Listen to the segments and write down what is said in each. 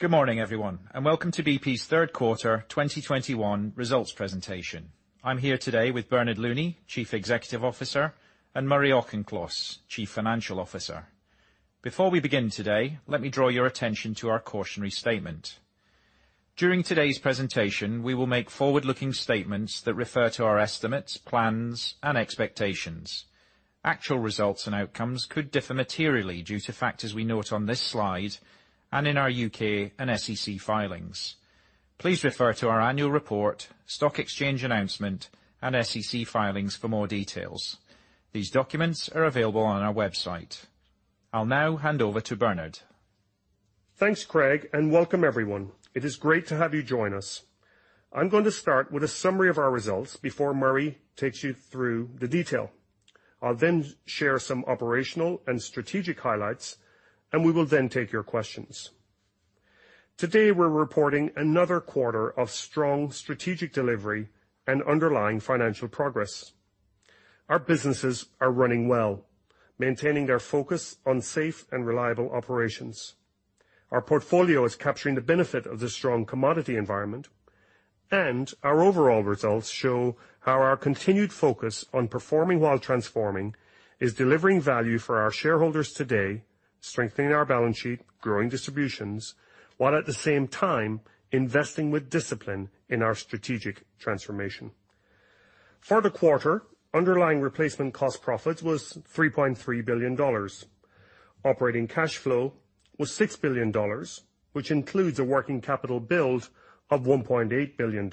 Good morning, everyone, and welcome to BP's third quarter 2021 results presentation. I'm here today with Bernard Looney, Chief Executive Officer, and Murray Auchincloss, Chief Financial Officer. Before we begin today, let me draw your attention to our cautionary statement. During today's presentation, we will make forward-looking statements that refer to our estimates, plans, and expectations. Actual results and outcomes could differ materially due to factors we note on this slide and in our U.K. and SEC filings. Please refer to our annual report, stock exchange announcement, and SEC filings for more details. These documents are available on our website. I'll now hand over to Bernard. Thanks, Craig, and welcome everyone. It is great to have you join us. I'm going to start with a summary of our results before Murray takes you through the detail. I'll then share some operational and strategic highlights, and we will then take your questions. Today, we're reporting another quarter of strong strategic delivery and underlying financial progress. Our businesses are running well, maintaining their focus on safe and reliable operations. Our portfolio is capturing the benefit of the strong commodity environment, and our overall results show how our continued focus on performing while transforming is delivering value for our shareholders today, strengthening our balance sheet, growing distributions, while at the same time, investing with discipline in our strategic transformation. For the quarter, underlying replacement cost profit was $3.3 billion. Operating cash flow was $6 billion, which includes a working capital build of $1.8 billion.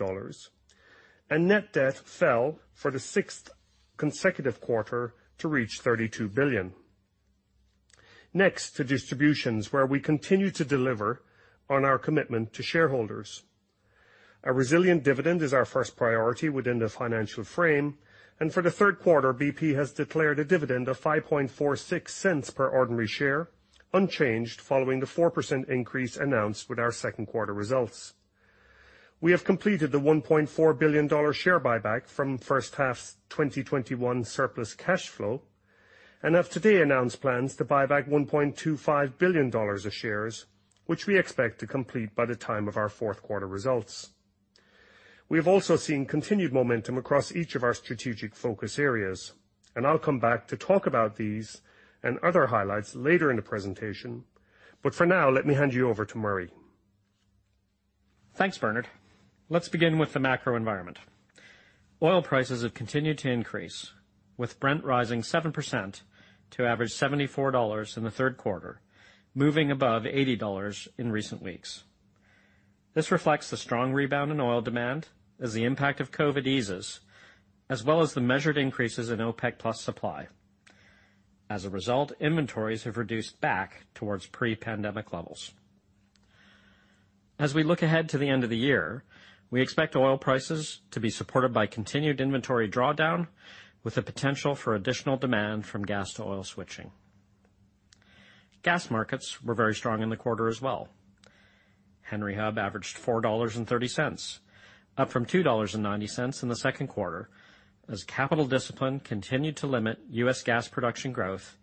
Net debt fell for the sixth consecutive quarter to reach $32 billion. Next to distributions, where we continue to deliver on our commitment to shareholders. A resilient dividend is our first priority within the financial frame, and for the third quarter, BP has declared a dividend of 5.46 cents per ordinary share, unchanged following the 4% increase announced with our second quarter results. We have completed the $1.4 billion share buyback from first half 2021 surplus cash flow and have today announced plans to buy back $1.25 billion of shares, which we expect to complete by the time of our fourth quarter results. We have also seen continued momentum across each of our strategic focus areas, and I'll come back to talk about these and other highlights later in the presentation. For now, let me hand you over to Murray. Thanks, Bernard. Let's begin with the macro environment. Oil prices have continued to increase, with Brent rising 7% to average $74 in the third quarter, moving above $80 in recent weeks. This reflects the strong rebound in oil demand as the impact of COVID eases, as well as the measured increases in OPEC+ supply. As a result, inventories have reduced back towards pre-pandemic levels. As we look ahead to the end of the year, we expect oil prices to be supported by continued inventory drawdown with the potential for additional demand from gas to oil switching. Gas markets were very strong in the quarter as well. Henry Hub averaged $4.30, up from $2.90 in the second quarter as capital discipline continued to limit U.S. gas production growth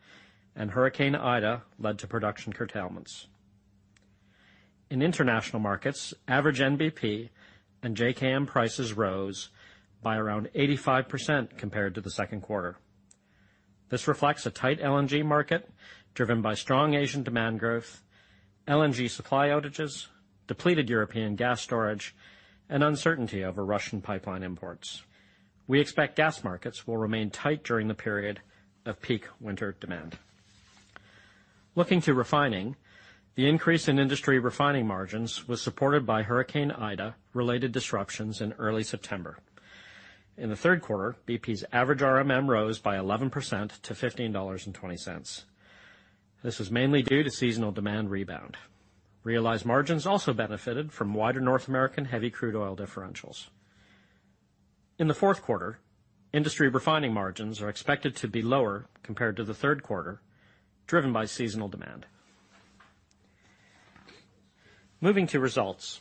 and Hurricane Ida led to production curtailments. In international markets, average NBP and JKM prices rose by around 85% compared to the second quarter. This reflects a tight LNG market driven by strong Asian demand growth, LNG supply outages, depleted European gas storage, and uncertainty over Russian pipeline imports. We expect gas markets will remain tight during the period of peak winter demand. Looking to refining, the increase in industry refining margins was supported by Hurricane Ida-related disruptions in early September. In the third quarter, BP's average RMM rose by 11% to $15.20. This was mainly due to seasonal demand rebound. Realized margins also benefited from wider North American heavy crude oil differentials. In the fourth quarter, industry refining margins are expected to be lower compared to the third quarter, driven by seasonal demand. Moving to results.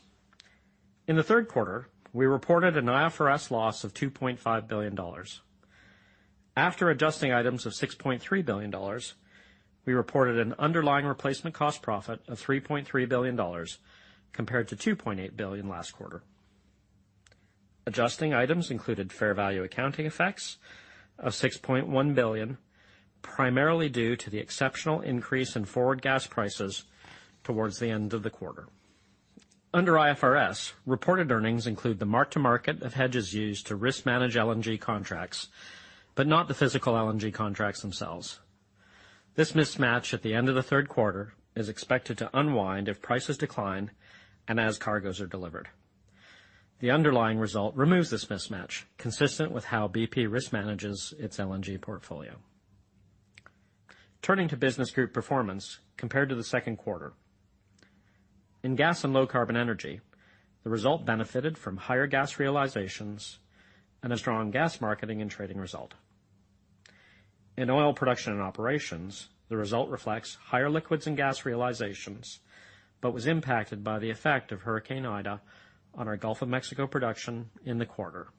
In the third quarter, we reported an IFRS loss of $2.5 billion. After adjusting items of $6.3 billion, we reported an underlying replacement cost profit of $3.3 billion compared to $2.8 billion last quarter. Adjusting items included fair value accounting effects of $6.1 billion, primarily due to the exceptional increase in forward gas prices towards the end of the quarter. Under IFRS, reported earnings include the mark to market of hedges used to risk manage LNG contracts, but not the physical LNG contracts themselves. This mismatch at the end of the third quarter is expected to unwind if prices decline and as cargoes are delivered. The underlying result removes this mismatch, consistent with how BP risk manages its LNG portfolio. Turning to business group performance compared to the second quarter. In gas and low carbon energy, the result benefited from higher gas realizations and a strong gas marketing and trading result. In oil production and operations, the result reflects higher liquids and gas realizations, but was impacted by the effect of Hurricane Ida on our Gulf of Mexico production in the quarter.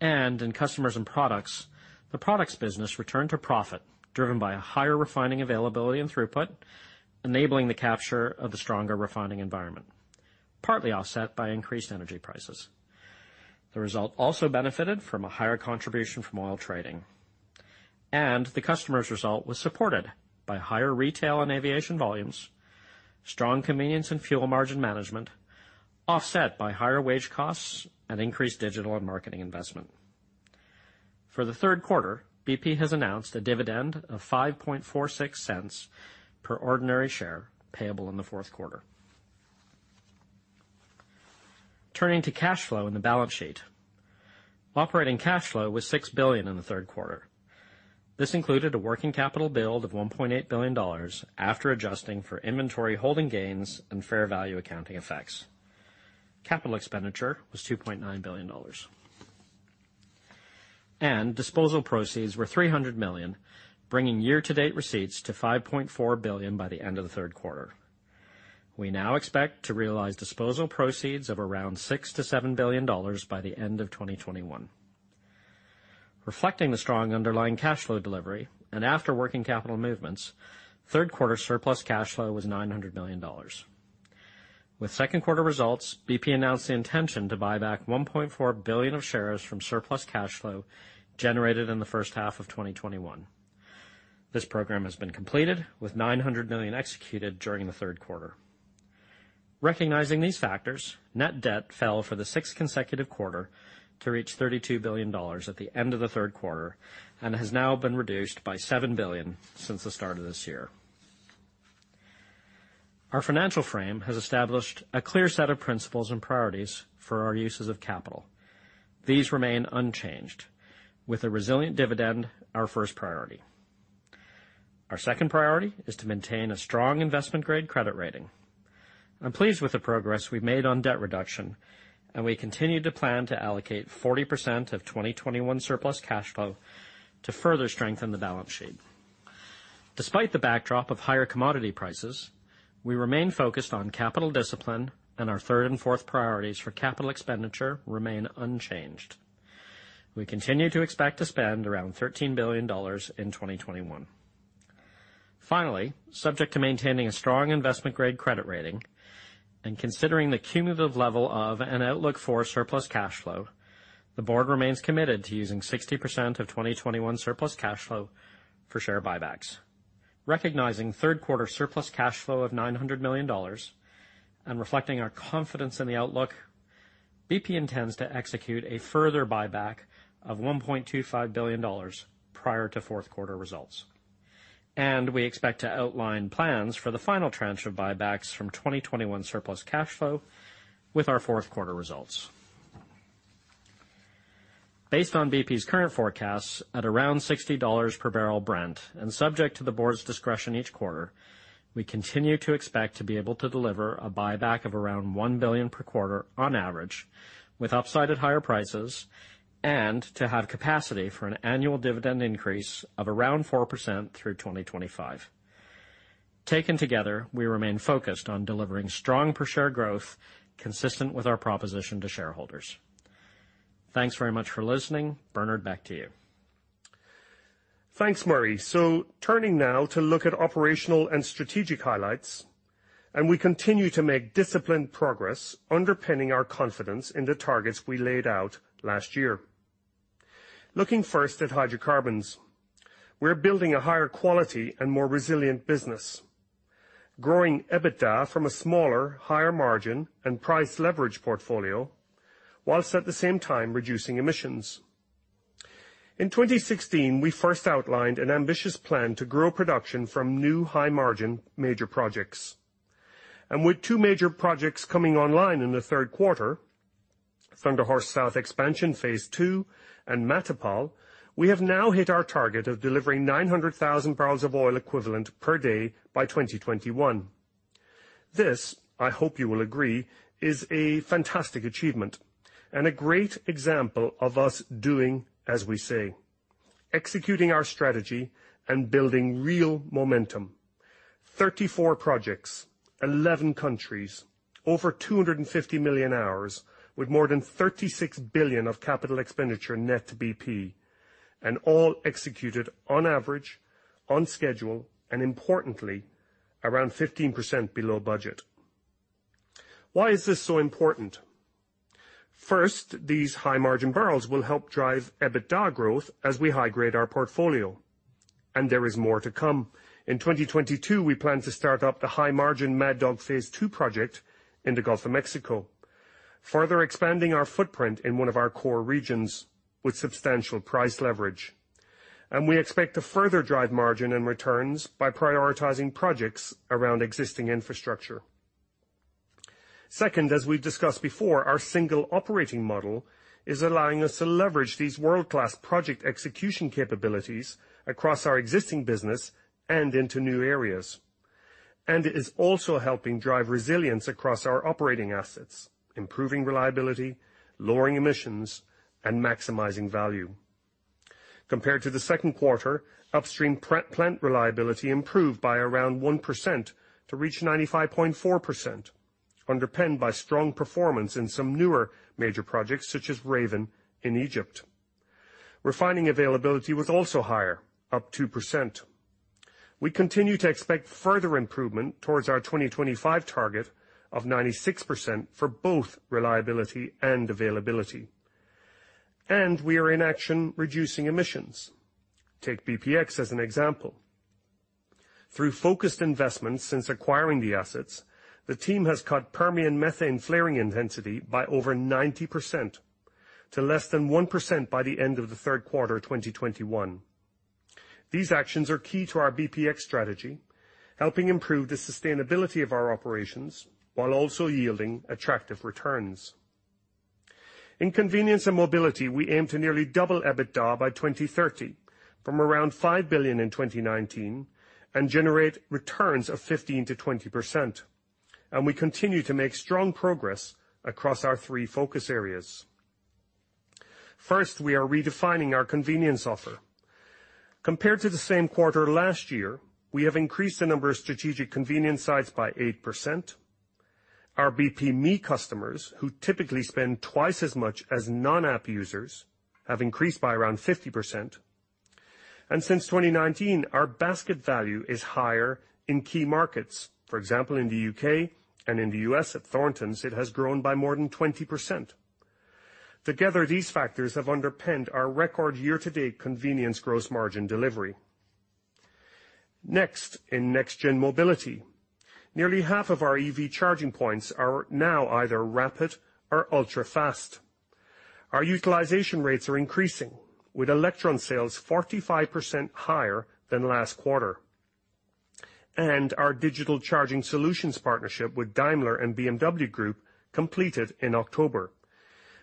In customers and products, the products business returned to profit driven by a higher refining availability and throughput, enabling the capture of the stronger refining environment, partly offset by increased energy prices. The result also benefited from a higher contribution from oil trading, and the customer's result was supported by higher retail and aviation volumes, strong convenience and fuel margin management, offset by higher wage costs and increased digital and marketing investment. For the third quarter, BP has announced a dividend of $0.0546 per ordinary share payable in the fourth quarter. Turning to cash flow in the balance sheet. Operating cash flow was $6 billion in the third quarter. This included a working capital build of $1.8 billion after adjusting for inventory holding gains and fair value accounting effects. Capital expenditure was $2.9 billion. Disposal proceeds were $300 million, bringing year-to-date receipts to $5.4 billion by the end of the third quarter. We now expect to realize disposal proceeds of around $6 billion-$7 billion by the end of 2021. Reflecting the strong underlying cash flow delivery and after working capital movements, third quarter surplus cash flow was $900 million. With second quarter results, BP announced the intention to buy back $1.4 billion of shares from surplus cash flow generated in the first half of 2021. This program has been completed with $900 million executed during the third quarter. Recognizing these factors, net debt fell for the sixth consecutive quarter to reach $32 billion at the end of the third quarter, and has now been reduced by $7 billion since the start of this year. Our financial frame has established a clear set of principles and priorities for our uses of capital. These remain unchanged with a resilient dividend our first priority. Our second priority is to maintain a strong investment-grade credit rating. I'm pleased with the progress we've made on debt reduction, and we continue to plan to allocate 40% of 2021 surplus cash flow to further strengthen the balance sheet. Despite the backdrop of higher commodity prices, we remain focused on capital discipline, and our third and fourth priorities for capital expenditure remain unchanged. We continue to expect to spend around $13 billion in 2021. Finally, subject to maintaining a strong investment-grade credit rating and considering the cumulative level of an outlook for surplus cash flow, the board remains committed to using 60% of 2021 surplus cash flow for share buybacks. Recognizing third quarter surplus cash flow of $900 million and reflecting our confidence in the outlook, BP intends to execute a further buyback of $1.25 billion prior to fourth quarter results. We expect to outline plans for the final tranche of buybacks from 2021 surplus cash flow with our fourth quarter results. Based on BP's current forecasts, at around $60 per barrel Brent, and subject to the board's discretion each quarter, we continue to expect to be able to deliver a buyback of around $1 billion per quarter on average with upside at higher prices and to have capacity for an annual dividend increase of around 4% through 2025. Taken together, we remain focused on delivering strong per share growth consistent with our proposition to shareholders. Thanks very much for listening. Bernard, back to you. Thanks, Murray. Turning now to look at operational and strategic highlights, and we continue to make disciplined progress underpinning our confidence in the targets we laid out last year. Looking first at hydrocarbons, we're building a higher quality and more resilient business, growing EBITDA from a smaller, higher margin and price leverage portfolio, while at the same time reducing emissions. In 2016, we first outlined an ambitious plan to grow production from new high margin major projects. With two major projects coming online in the third quarter, Thunder Horse South Expansion Phase II and Mad Dog, we have now hit our target of delivering 900,000 barrels of oil equivalent per day by 2021. This, I hope you will agree, is a fantastic achievement and a great example of us doing as we say, executing our strategy and building real momentum. 34 projects, 11 countries, over 250 million hours with more than $36 billion of capital expenditure net to BP, and all executed on average, on schedule, and importantly, around 15% below budget. Why is this so important? First, these high-margin barrels will help drive EBITDA growth as we high grade our portfolio. There is more to come. In 2022, we plan to start up the high-margin Mad Dog Phase II project in the Gulf of Mexico, further expanding our footprint in one of our core regions with substantial price leverage. We expect to further drive margin and returns by prioritizing projects around existing infrastructure. Second, as we've discussed before, our single operating model is allowing us to leverage these world-class project execution capabilities across our existing business and into new areas. It is also helping drive resilience across our operating assets, improving reliability, lowering emissions, and maximizing value. Compared to the second quarter, upstream plant reliability improved by around 1% to reach 95.4%, underpinned by strong performance in some newer major projects, such as Raven in Egypt. Refining availability was also higher, up 2%. We continue to expect further improvement towards our 2025 target of 96% for both reliability and availability. We are taking action reducing emissions. Take BPX as an example. Through focused investments since acquiring the assets, the team has cut Permian methane flaring intensity by over 90% to less than 1% by the end of the third quarter of 2021. These actions are key to our BPX strategy, helping improve the sustainability of our operations while also yielding attractive returns. In convenience and mobility, we aim to nearly double EBITDA by 2030 from around $5 billion in 2019 and generate returns of 15%-20%. We continue to make strong progress across our three focus areas. First, we are redefining our convenience offer. Compared to the same quarter last year, we have increased the number of strategic convenience sites by 8%. Our BPme customers, who typically spend twice as much as non-app users, have increased by around 50%. Since 2019, our basket value is higher in key markets. For example, in the U.K. and in the U.S. at Thorntons, it has grown by more than 20%. Together, these factors have underpinned our record year-to-date convenience gross margin delivery. Next, in next gen mobility, nearly half of our EV charging points are now either rapid or ultra-fast. Our utilization rates are increasing, with EV sales 45% higher than last quarter. Our Digital Charging Solutions partnership with Daimler and BMW Group completed in October.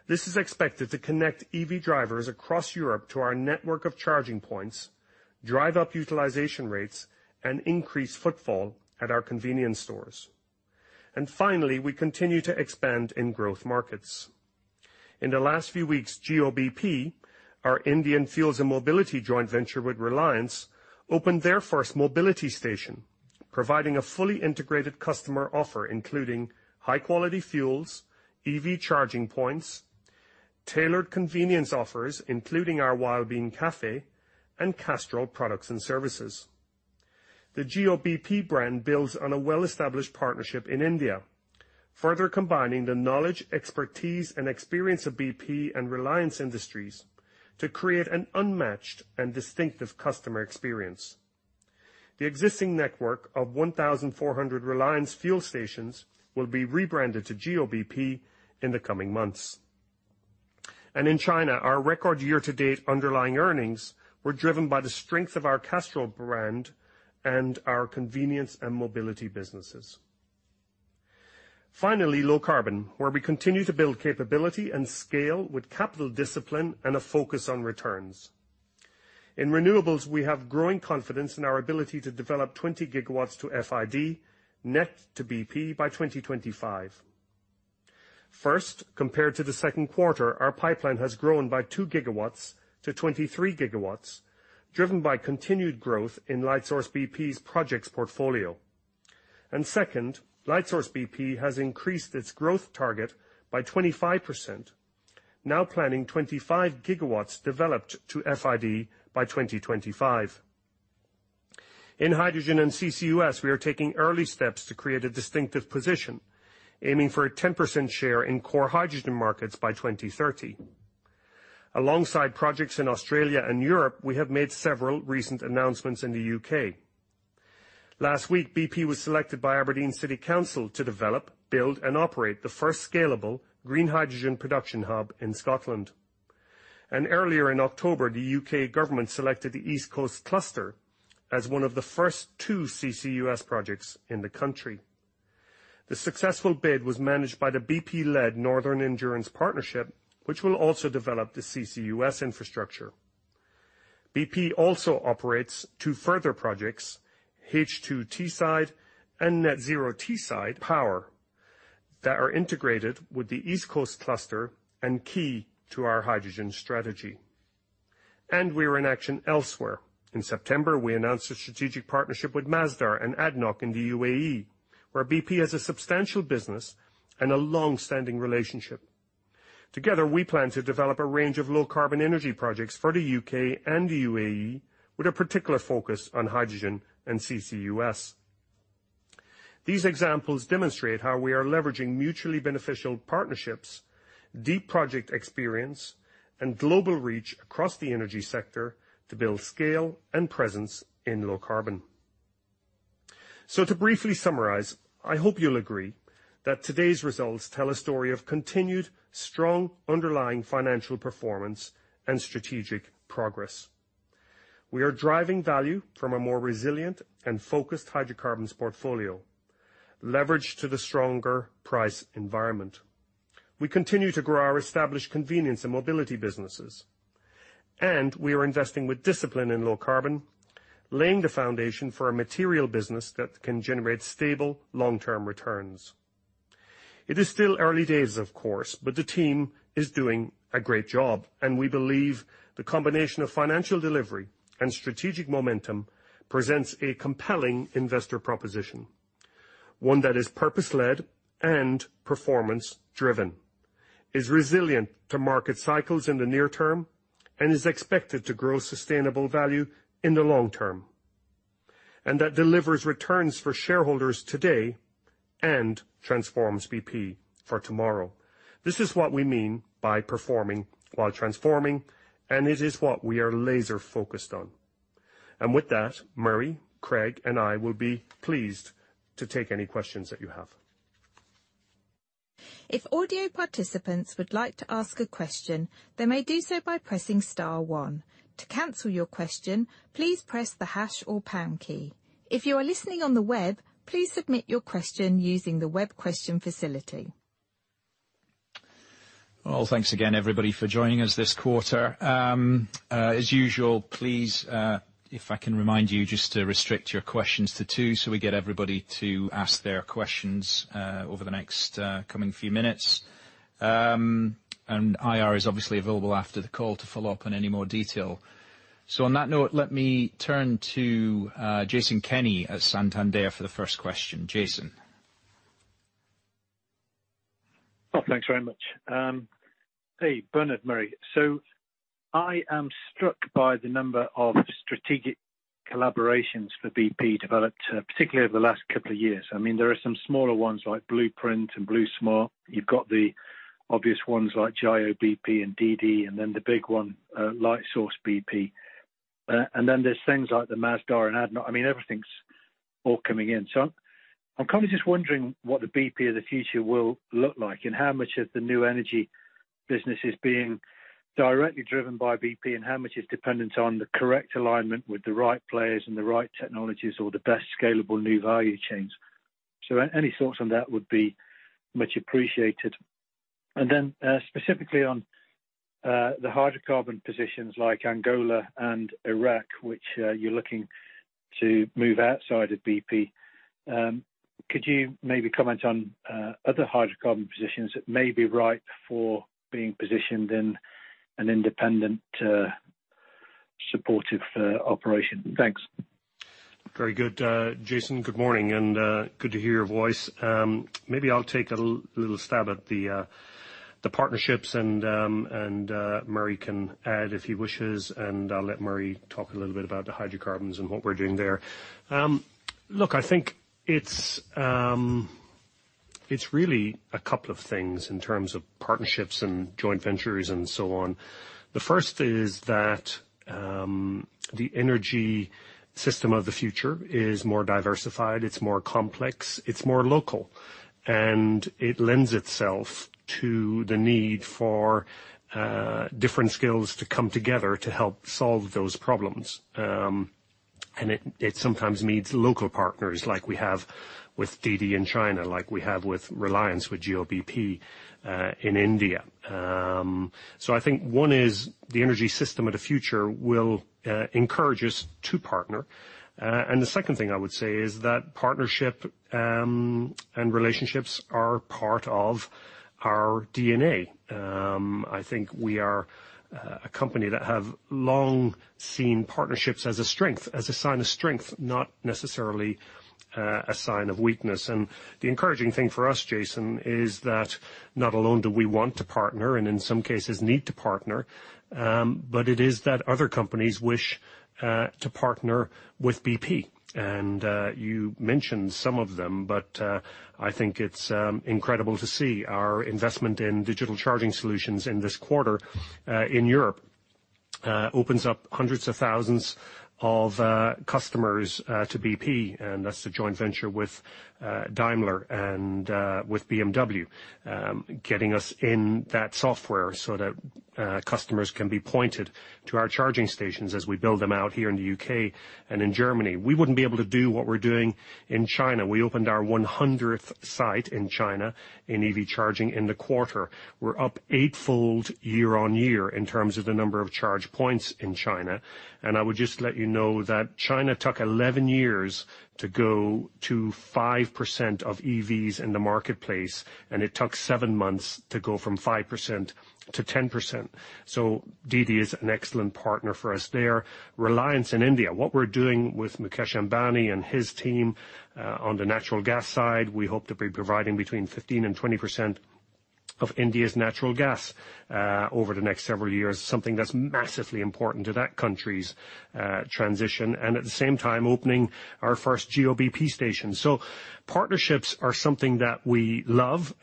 This is expected to connect EV drivers across Europe to our network of charging points, drive up utilization rates, and increase footfall at our convenience stores. Finally, we continue to expand in growth markets. In the last few weeks, Jio-bp, our Indian fuels and mobility joint venture with Reliance, opened their first mobility station, providing a fully integrated customer offer, including high-quality fuels, EV charging points, tailored convenience offers, including our Wild Bean Cafe, and Castrol products and services. The Jio-bp brand builds on a well-established partnership in India, further combining the knowledge, expertise, and experience of BP and Reliance Industries to create an unmatched and distinctive customer experience. The existing network of 1,400 Reliance fuel stations will be rebranded to Jio-bp in the coming months. In China, our record year-to-date underlying earnings were driven by the strength of our Castrol brand and our convenience and mobility businesses. Finally, low carbon, where we continue to build capability and scale with capital discipline and a focus on returns. In renewables, we have growing confidence in our ability to develop 20 GW to FID, net to BP by 2025. First, compared to the second quarter, our pipeline has grown by 2 GW-23 GW, driven by continued growth in Lightsource BP's projects portfolio. Second, Lightsource BP has increased its growth target by 25%, now planning 25 GW developed to FID by 2025. In hydrogen and CCUS, we are taking early steps to create a distinctive position, aiming for a 10% share in core hydrogen markets by 2030. Alongside projects in Australia and Europe, we have made several recent announcements in the U.K. Last week, BP was selected by Aberdeen City Council to develop, build, and operate the first scalable green hydrogen production hub in Scotland. Earlier in October, the U.K. government selected the East Coast Cluster as one of the first two CCUS projects in the country. The successful bid was managed by the BP-led Northern Endurance Partnership, which will also develop the CCUS infrastructure. BP also operates two further projects, H2Teesside and Net Zero Teesside Power, that are integrated with the East Coast Cluster and key to our hydrogen strategy. We are in action elsewhere. In September, we announced a strategic partnership with Masdar and ADNOC in the UAE, where BP has a substantial business and a long-standing relationship. Together, we plan to develop a range of low-carbon energy projects for the U.K. and the UAE with a particular focus on hydrogen and CCUS. These examples demonstrate how we are leveraging mutually beneficial partnerships, deep project experience, and global reach across the energy sector to build scale and presence in low carbon. To briefly summarize, I hope you'll agree that today's results tell a story of continued strong underlying financial performance and strategic progress. We are driving value from a more resilient and focused hydrocarbons portfolio, leveraged to the stronger price environment. We continue to grow our established convenience and mobility businesses. We are investing with discipline in low carbon, laying the foundation for a material business that can generate stable long-term returns. It is still early days, of course, but the team is doing a great job, and we believe the combination of financial delivery and strategic momentum presents a compelling investor proposition. One that is purpose-led and performance-driven, is resilient to market cycles in the near term, and is expected to grow sustainable value in the long term, and that delivers returns for shareholders today and transforms BP for tomorrow. This is what we mean by performing while transforming, and it is what we are laser-focused on. With that, Murray, Craig, and I will be pleased to take any questions that you have. If audio participants would like to ask a question, they may do so by pressing star one. To cancel your question, please press the hash or pound key. If you are listening on the web, please submit your question using the web question facility. Well, thanks again everybody for joining us this quarter. As usual, please, if I can remind you, just to restrict your questions to two so we get everybody to ask their questions over the next coming few minutes. IR is obviously available after the call to follow up on any more detail. On that note, let me turn to Jason Kenney at Santander for the first question. Jason. Thanks very much. Hey, Bernard, Murray. I am struck by the number of strategic collaborations that BP developed, particularly over the last couple of years. I mean, there are some smaller ones like Blueprint and BluSmart. You've got the obvious ones like Jio-bp and DiDi, and then the big one, Lightsource BP. And then there's things like the Masdar and ADNOC. I mean, everything's all coming in. I'm kind of just wondering what the BP of the future will look like and how much of the new energy business is being directly driven by BP, and how much is dependent on the correct alignment with the right players and the right technologies or the best scalable new value chains. Any thoughts on that would be much appreciated. Specifically on the hydrocarbon positions like Angola and Iraq, which you're looking to move outside of BP, could you maybe comment on other hydrocarbon positions that may be right for being positioned in an independent supportive operation? Thanks. Very good. Jason, good morning, and good to hear your voice. Maybe I'll take a little stab at the partnerships and Murray can add if he wishes, and I'll let Murray talk a little bit about the hydrocarbons and what we're doing there. Look, I think it's really a couple of things in terms of partnerships and joint ventures and so on. The first is that the energy system of the future is more diversified, it's more complex, it's more local, and it lends itself to the need for different skills to come together to help solve those problems. It sometimes needs local partners like we have with DiDi in China, like we have with Reliance, with Jio-bp in India. I think one is the energy system of the future will encourage us to partner. The second thing I would say is that partnership and relationships are part of our DNA. I think we are a company that have long seen partnerships as a strength, as a sign of strength, not necessarily a sign of weakness. The encouraging thing for us, Jason, is that not only do we want to partner, and in some cases, need to partner, but it is that other companies wish to partner with BP. You mentioned some of them, but I think it's incredible to see our investment in Digital Charging Solutions in this quarter in Europe opens up hundreds of thousands of customers to BP, and that's the joint venture with Daimler and with BMW getting us in that software so that customers can be pointed to our charging stations as we build them out here in the U.K. and in Germany. We wouldn't be able to do what we're doing in China. We opened our 100th site in China in EV charging in the quarter. We're up eightfold year-on-year in terms of the number of charge points in China. I would just let you know that China took 11 years to go to 5% of EVs in the marketplace, and it took seven months to go from 5%-10%. DiDi is an excellent partner for us there. Reliance in India. What we're doing with Mukesh Ambani and his team on the natural gas side, we hope to be providing between 15%-20% of India's natural gas over the next several years. Something that's massively important to that country's transition, and at the same time, opening our first Jio-bp station. Partnerships are something that we love.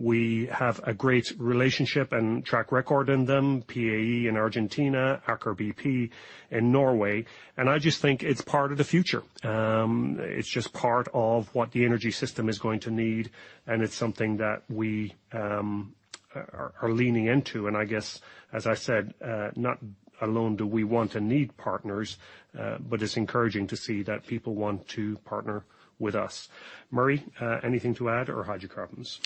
We have a great relationship and track record in them, PAE in Argentina, Aker BP in Norway, and I just think it's part of the future. It's just part of what the energy system is going to need, and it's something that we are leaning into. I guess, as I said, not alone do we want and need partners, but it's encouraging to see that people want to partner with us. Murray, anything to add or hydrocarbons?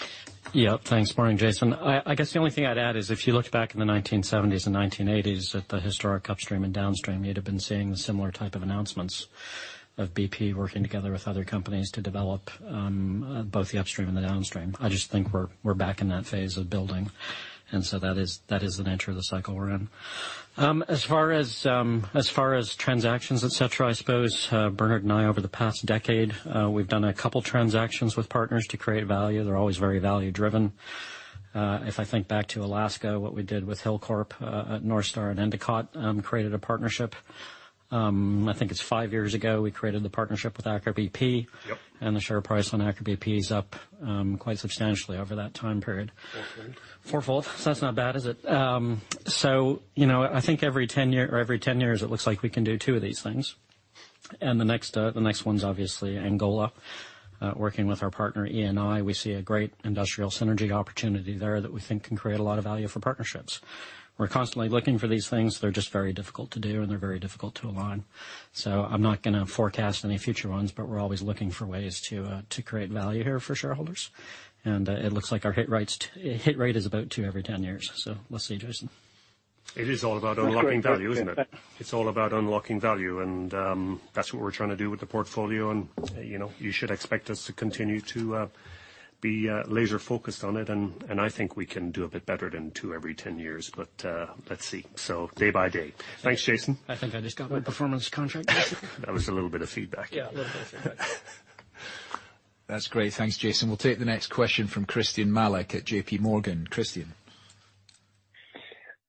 Yeah. Thanks. Morning, Jason. I guess the only thing I'd add is if you looked back in the 1970s and 1980s at the historic upstream and downstream, you'd have been seeing the similar type of announcements of BP working together with other companies to develop both the upstream and the downstream. I just think we're back in that phase of building, and so that is the nature of the cycle we're in. As far as transactions, et cetera, I suppose Bernard and I over the past decade we've done a couple transactions with partners to create value. They're always very value-driven. If I think back to Alaska, what we did with Hilcorp at Northstar and Endicott created a partnership. I think it's five years ago, we created the partnership with Aker BP. Yep. The share price on Aker BP is up quite substantially over that time period. Four-fold. Four-fold. That's not bad, is it? You know, I think every 10 years, it looks like we can do two of these things. The next one's obviously Angola, working with our partner Eni. We see a great industrial synergy opportunity there that we think can create a lot of value for partnerships. We're constantly looking for these things. They're just very difficult to do, and they're very difficult to align. I'm not gonna forecast any future ones, but we're always looking for ways to create value here for shareholders. It looks like our hit rate is about two years, every 10 years. We'll see, Jason. It is all about unlocking value, isn't it? It's all about unlocking value, and that's what we're trying to do with the portfolio and, you know, you should expect us to continue to be laser focused on it. I think we can do a bit better than two years, every 10 years, but let's see. Day by day. Thanks, Jason. I think I just got my performance contract. That was a little bit of feedback. Yeah, a little bit of feedback. That's great. Thanks, Jason. We'll take the next question from Christyan Malek at JPMorgan. Christyan.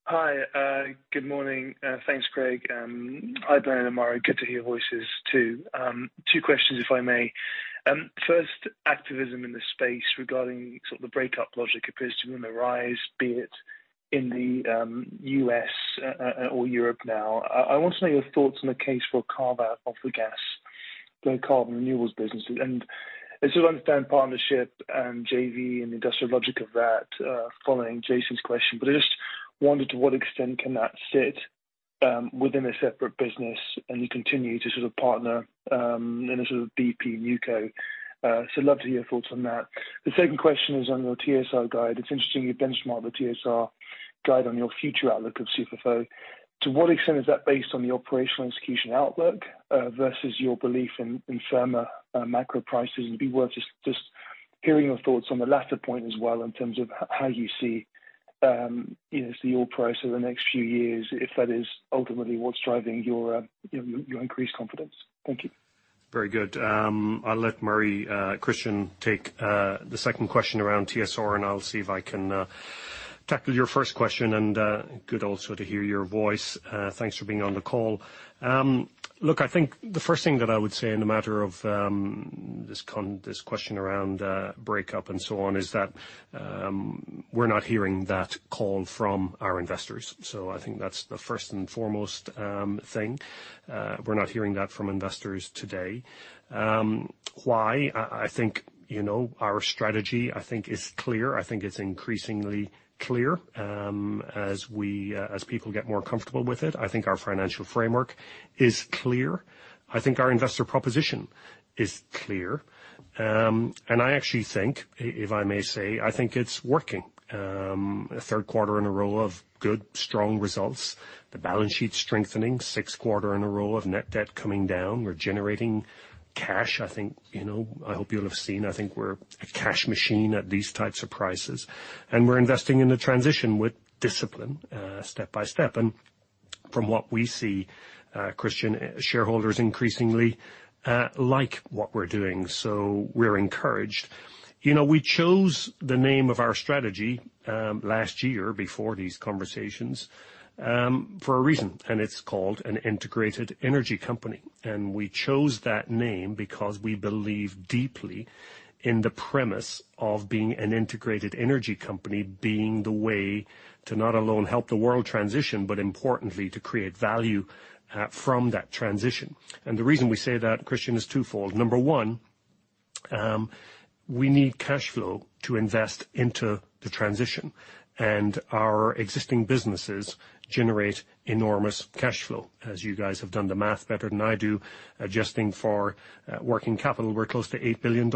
Hi. Good morning. Thanks, Greg. Hi, Bernard and Murray. Good to hear your voices too. Two questions, if I may. First, activism in this space regarding sort of the breakup logic appears to have been on the rise, be it in the U.S. or Europe now. I want to know your thoughts on the case for a carve-out of the gas and carbon renewables business. As you'll understand, partnership and JV and industrial logic of that, following Jason's question. I just wondered to what extent can that sit within a separate business and continue to sort of partner in a sort of BP NewCo. So love to hear your thoughts on that. The second question is on your TSR guide. It's interesting you benchmark the TSR guide on your future outlook of CFFO. To what extent is that based on the operational execution outlook versus your belief in firmer macro prices? It'd be worth just hearing your thoughts on the latter point as well in terms of how you see you know the oil price over the next few years, if that is ultimately what's driving your you know your increased confidence. Thank you. Very good. I'll let Murray and Christyan take the second question around TSR, and I'll see if I can tackle your first question, and good also to hear your voice. Thanks for being on the call. Look, I think the first thing that I would say in the matter of this question around breakup and so on is that we're not hearing that call from our investors. I think that's the first and foremost thing. We're not hearing that from investors today. Why? I think, you know, our strategy I think is clear. I think it's increasingly clear as people get more comfortable with it. I think our financial framework is clear. I think our investor proposition is clear. I actually think, if I may say, I think it's working. A third quarter in a row of good, strong results. The balance sheet's strengthening. Sixth quarter in a row of net debt coming down. We're generating cash, I think, you know. I hope you'll have seen, I think we're a cash machine at these types of prices. We're investing in the transition with discipline, step by step. From what we see, Christian, shareholders increasingly like what we're doing. We're encouraged. You know, we chose the name of our strategy last year before these conversations for a reason, and it's called an integrated energy company. We chose that name because we believe deeply in the premise of being an integrated energy company, being the way to not alone help the world transition, but importantly, to create value from that transition. The reason we say that, Christyan, is twofold. Number one, we need cash flow to invest into the transition, and our existing businesses generate enormous cash flow, as you guys have done the math better than I do, adjusting for working capital. We're close to $8 billion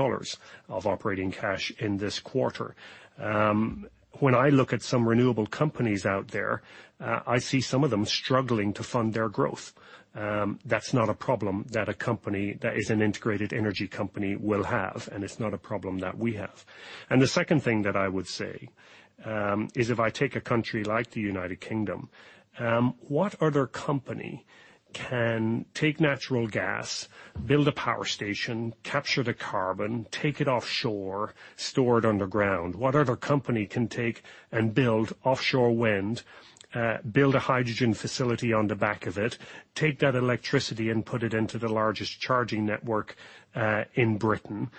of operating cash in this quarter. When I look at some renewable companies out there, I see some of them struggling to fund their growth. That's not a problem that a company that is an integrated energy company will have, and it's not a problem that we have. The second thing that I would say is if I take a country like the United Kingdom, what other company can take natural gas, build a power station, capture the carbon, take it offshore, store it underground? What other company can take and build offshore wind, build a hydrogen facility on the back of it. Take that electricity and put it into the largest charging network in Britain.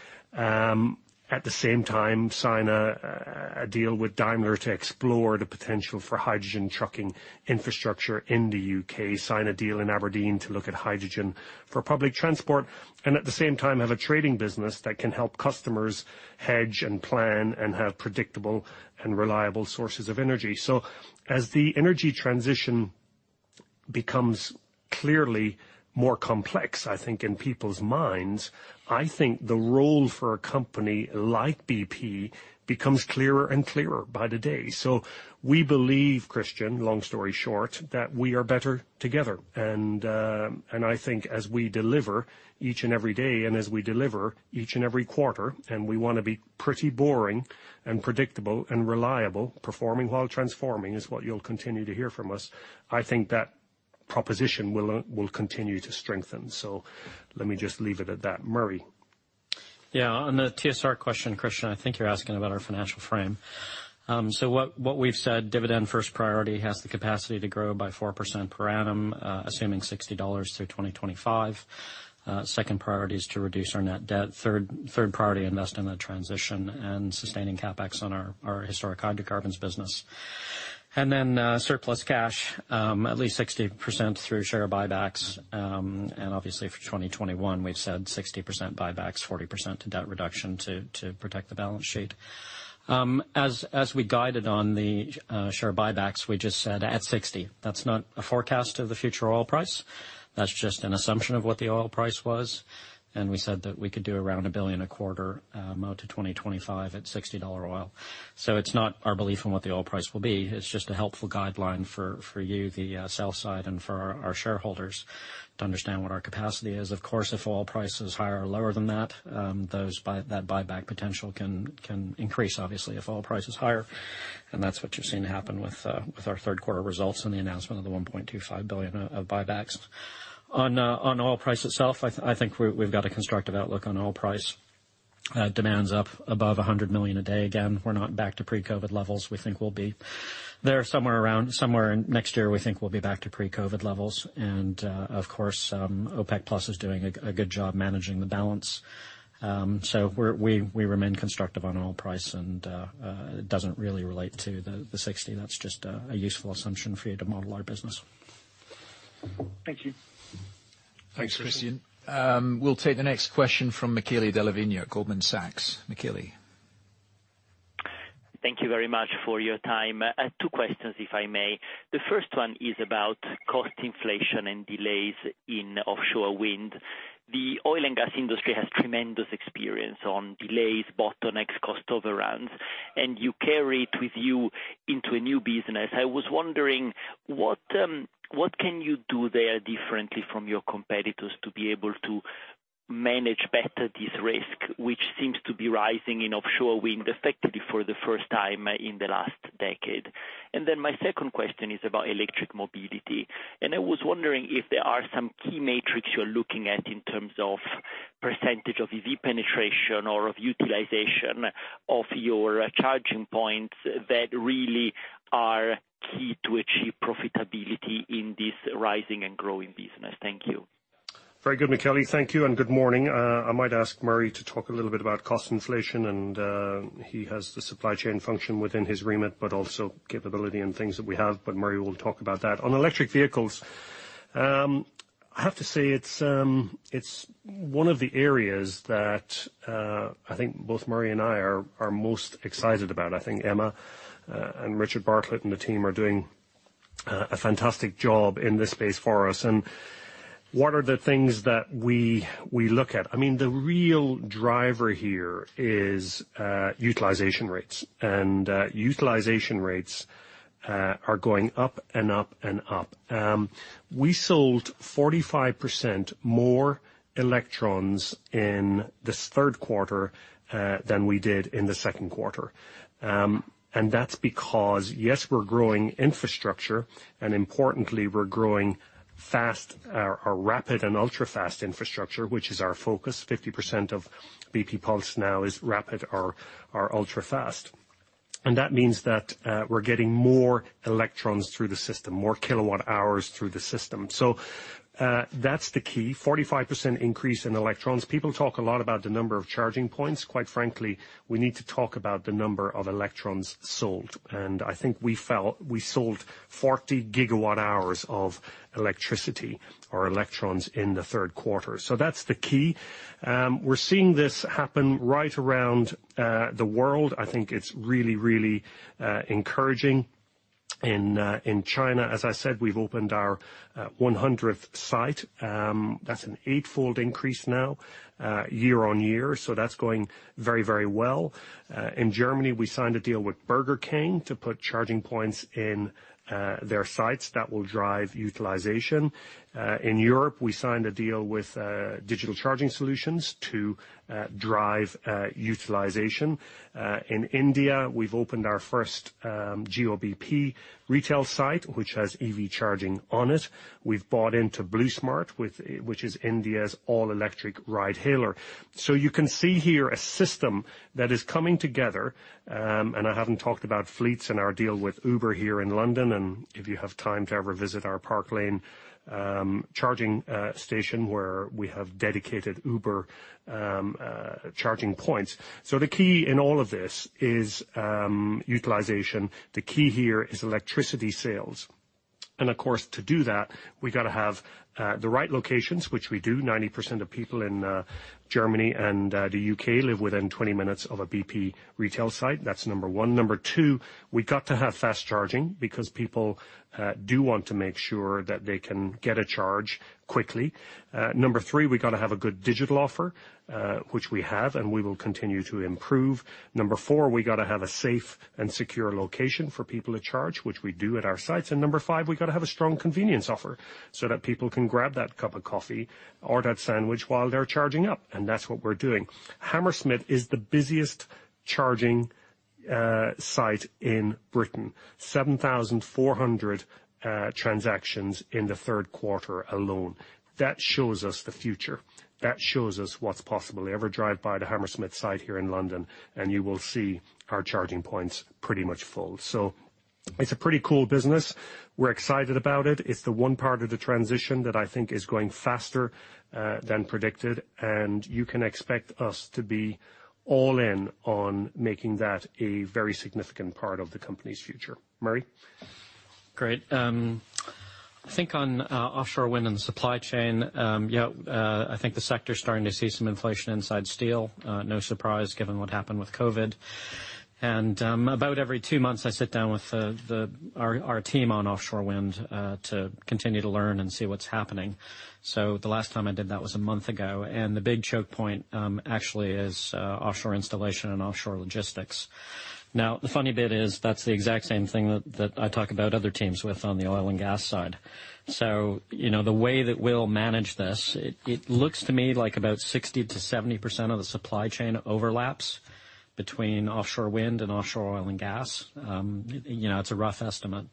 At the same time, sign a deal with Daimler to explore the potential for hydrogen trucking infrastructure in the U.K. Sign a deal in Aberdeen to look at hydrogen for public transport, and at the same time have a trading business that can help customers hedge and plan and have predictable and reliable sources of energy. As the energy transition becomes clearly more complex, I think in people's minds, I think the role for a company like BP becomes clearer and clearer by the day. We believe, Christyan, long story short, that we are better together. And I think as we deliver each and every day and as we deliver each and every quarter, and we wanna be pretty boring and predictable and reliable. Performing while transforming is what you'll continue to hear from us. I think that proposition will continue to strengthen. Let me just leave it at that. Murray? Yeah. On the TSR question, Christyan, I think you're asking about our financial frame. So what we've said, dividend first priority has the capacity to grow by 4% per annum, assuming $60 through 2025. Second priority is to reduce our net debt. Third priority, invest in the transition and sustaining CapEx on our historic hydrocarbons business. Surplus cash, at least 60% through share buybacks, and obviously for 2021, we've said 60% buybacks, 40% to debt reduction to protect the balance sheet. As we guided on the share buybacks, we just said at $60, that's not a forecast of the future oil price. That's just an assumption of what the oil price was. We said that we could do around $1 billion a quarter out to 2025 at $60 oil. It's not our belief in what the oil price will be. It's just a helpful guideline for you, the sell side and for our shareholders to understand what our capacity is. Of course, if oil price is higher or lower than that buyback potential can increase obviously if oil price is higher. That's what you've seen happen with our third quarter results and the announcement of the $1.25 billion of buybacks. On oil price itself, I think we've got a constructive outlook on oil price. Demand's up above 100 million a day. Again, we're not back to pre-COVID levels. We think we'll be there somewhere in next year, we think we'll be back to pre-COVID levels. Of course, OPEC Plus is doing a good job managing the balance. We remain constructive on oil price, and it doesn't really relate to the $60. That's just a useful assumption for you to model our business. Thank you. Thanks, Christyan. We'll take the next question from Michele Della Vigna at Goldman Sachs. Michele. Thank you very much for your time. I have two questions, if I may. The first one is about cost inflation and delays in offshore wind. The oil and gas industry has tremendous experience on delays, bottlenecks, cost overruns, and you carry it with you into a new business. I was wondering, what can you do there differently from your competitors to be able to manage better this risk, which seems to be rising in offshore wind effectively for the first time in the last decade? My second question is about electric mobility. I was wondering if there are some key metrics you're looking at in terms of percentage of EV penetration or of utilization of your charging points that really are key to achieve profitability in this rising and growing business. Thank you. Very good, Michele. Thank you and good morning. I might ask Murray to talk a little bit about cost inflation, and he has the supply chain function within his remit, but also capability and things that we have, but Murray will talk about that. On electric vehicles, I have to say it's one of the areas that I think both Murray and I are most excited about. I think Emma and Richard Bartlett and the team are doing a fantastic job in this space for us. What are the things that we look at? I mean, the real driver here is utilization rates. Utilization rates are going up and up and up. We sold 45% more electrons in this third quarter than we did in the second quarter. That's because, yes, we're growing infrastructure, and importantly, we're growing fast or rapid and ultra-fast infrastructure, which is our focus. 50% of bp pulse now is rapid or ultra fast. That means that we're getting more electrons through the system, more kWh through the system. That's the key, 45% increase in electrons. People talk a lot about the number of charging points. Quite frankly, we need to talk about the number of electrons sold. I think we sold 40 GWh of electricity or electrons in the third quarter. That's the key. We're seeing this happen right around the world. I think it's really encouraging. In China, as I said, we've opened our 100th site. That's an eight-fold increase now, year-on-year. That's going very, very well. In Germany, we signed a deal with Burger King to put charging points in their sites. That will drive utilization. In Europe, we signed a deal with Digital Charging Solutions to drive utilization. In India, we've opened our first Jio-bp retail site, which has EV charging on it. We've bought into BluSmart, which is India's all-electric ride-hailing. You can see here a system that is coming together, and I haven't talked about fleets and our deal with Uber here in London. If you have time to ever visit our Park Lane charging station, where we have dedicated Uber charging points. The key in all of this is utilization. The key here is electricity sales. Of course, to do that, we gotta have the right locations, which we do. 90% of people in Germany and the U.K. live within 20 minutes of a BP retail site. That's number one. Number two, we got to have fast charging because people do want to make sure that they can get a charge quickly. Number three, we gotta have a good digital offer, which we have, and we will continue to improve. Number four, we gotta have a safe and secure location for people to charge, which we do at our sites. Number five, we gotta have a strong convenience offer so that people can grab that cup of coffee or that sandwich while they're charging up, and that's what we're doing. Hammersmith is the busiest charging site in Britain. 7,400 transactions in the third quarter alone. That shows us the future. That shows us what's possible. Drive by the Hammersmith site here in London and you will see our charging points pretty much full. It's a pretty cool business. We're excited about it. It's the one part of the transition that I think is going faster than predicted, and you can expect us to be all in on making that a very significant part of the company's future. Murray? Great. I think on offshore wind and supply chain, yeah, I think the sector's starting to see some inflation inside steel. No surprise given what happened with COVID. About every two months, I sit down with our team on offshore wind to continue to learn and see what's happening. The last time I did that was a month ago, and the big choke point actually is offshore installation and offshore logistics. The funny bit is that's the exact same thing that I talk about with other teams on the oil and gas side. You know, the way that we'll manage this, it looks to me like about 60%-70% of the supply chain overlaps between offshore wind and offshore oil and gas. You know, it's a rough estimate.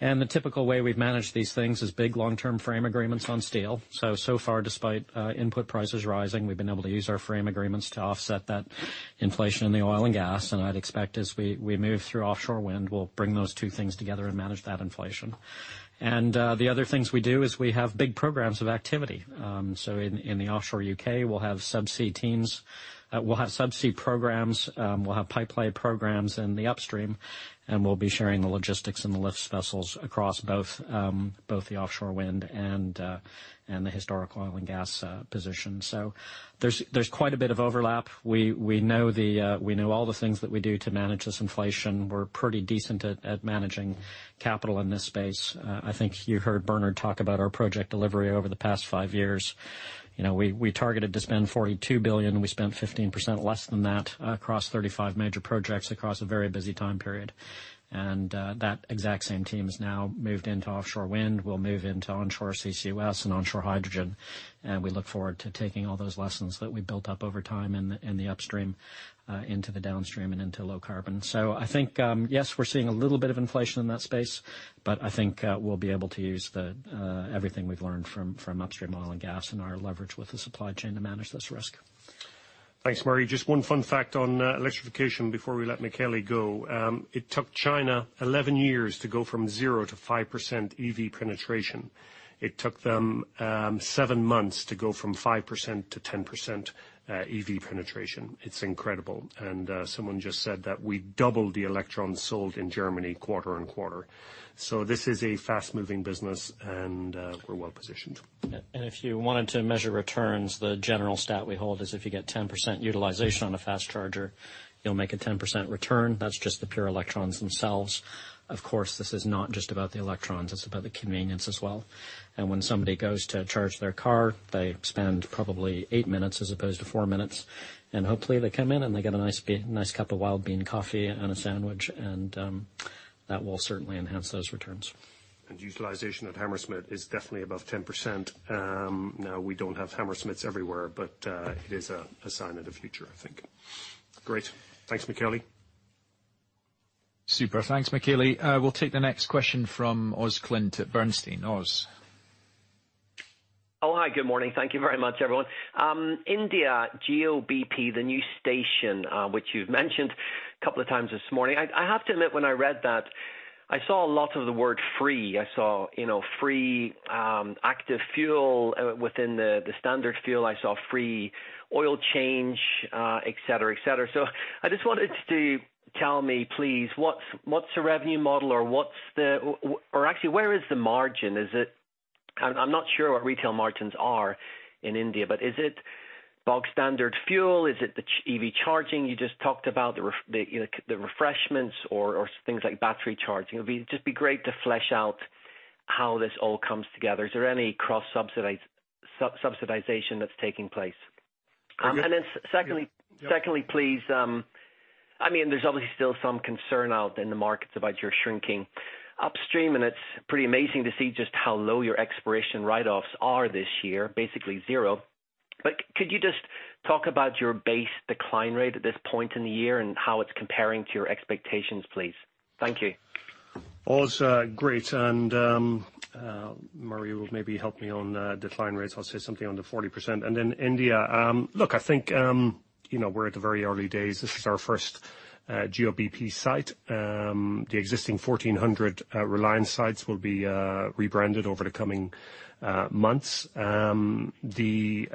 The typical way we've managed these things is big long-term frame agreements on steel. So far, despite input prices rising, we've been able to use our frame agreements to offset that inflation in the oil and gas. I'd expect as we move through offshore wind, we'll bring those two things together and manage that inflation. The other things we do is we have big programs of activity. In the offshore U.K., we'll have subsea teams, we'll have subsea programs, we'll have pipe lay programs in the upstream, and we'll be sharing the logistics and the lifts vessels across both the offshore wind and the historical oil and gas position. There's quite a bit of overlap. We know all the things that we do to manage this inflation. We're pretty decent at managing capital in this space. I think you heard Bernard talk about our project delivery over the past five years. You know, we targeted to spend $42 billion. We spent 15% less than that across 35 major projects across a very busy time period. That exact same team has now moved into offshore wind, will move into onshore CCUS and onshore hydrogen. We look forward to taking all those lessons that we built up over time in the upstream into the downstream and into low carbon. I think, yes, we're seeing a little bit of inflation in that space, but I think, we'll be able to use the everything we've learned from upstream oil and gas and our leverage with the supply chain to manage this risk. Thanks, Murray. Just one fun fact on electrification before we let Michele go. It took China 11 years to go from 0%-5% EV penetration. It took them seven months to go from 5%-10% EV penetration. It's incredible. Someone just said that we doubled the electrons sold in Germany quarter-over-quarter. This is a fast-moving business, and we're well-positioned. If you wanted to measure returns, the general stat we hold is if you get 10% utilization on a fast charger, you'll make a 10% return. That's just the pure electrons themselves. Of course, this is not just about the electrons, it's about the convenience as well. When somebody goes to charge their car, they spend probably eight minutes as opposed to four minutes, and hopefully they come in and they get a nice cup of Wild Bean coffee and a sandwich, and that will certainly enhance those returns. Utilization at Hammersmith is definitely above 10%. Now we don't have Hammersmith's everywhere, but it is a sign of the future, I think. Great. Thanks, Michele. Super. Thanks, Michele. We'll take the next question from Oswald Clint at Bernstein. Oz? Oh, hi, good morning. Thank you very much, everyone. India, Jio-bp, the new station, which you've mentioned a couple of times this morning. I have to admit, when I read that, I saw a lot of the word free. I saw, you know, free active fuel within the standard fuel. I saw free oil change, et cetera, et cetera. I just wanted to tell me, please, what's the revenue model or what's the. Or actually, where is the margin? Is it. I'm not sure what retail margins are in India, but is it bulk standard fuel? Is it the EV charging you just talked about? The refreshments or things like battery charging? It'll be great to flesh out how this all comes together. Is there any cross subsidization that's taking place? I guess- Secondly. Yeah. Secondly, please, I mean, there's obviously still some concern out in the markets about your shrinking upstream, and it's pretty amazing to see just how low your exploration write-offs are this year, basically zero. But could you just talk about your base decline rate at this point in the year and how it's comparing to your expectations, please? Thank you. Oz, great. Murray will maybe help me on decline rates. I'll say something on the 40%. India, look, I think, you know, we're at the very early days. This is our first Jio-bp site. The existing 1,400 Reliance sites will be rebranded over the coming months. The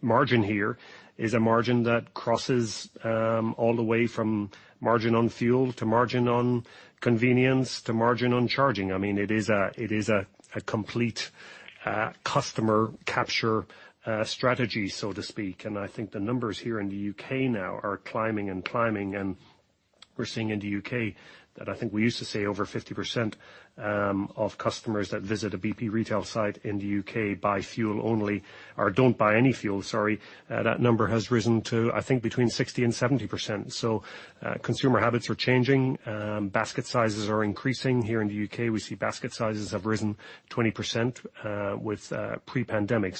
margin here is a margin that crosses all the way from margin on fuel to margin on convenience to margin on charging. I mean, it is a complete customer capture strategy, so to speak. I think the numbers here in the U.K. now are climbing. We're seeing in the U.K. that I think we used to say over 50% of customers that visit a BP retail site in the U.K. buy fuel only or don't buy any fuel, sorry. That number has risen to, I think, between 60% and 70%. Consumer habits are changing. Basket sizes are increasing. Here in the U.K., we see basket sizes have risen 20% with pre-pandemic.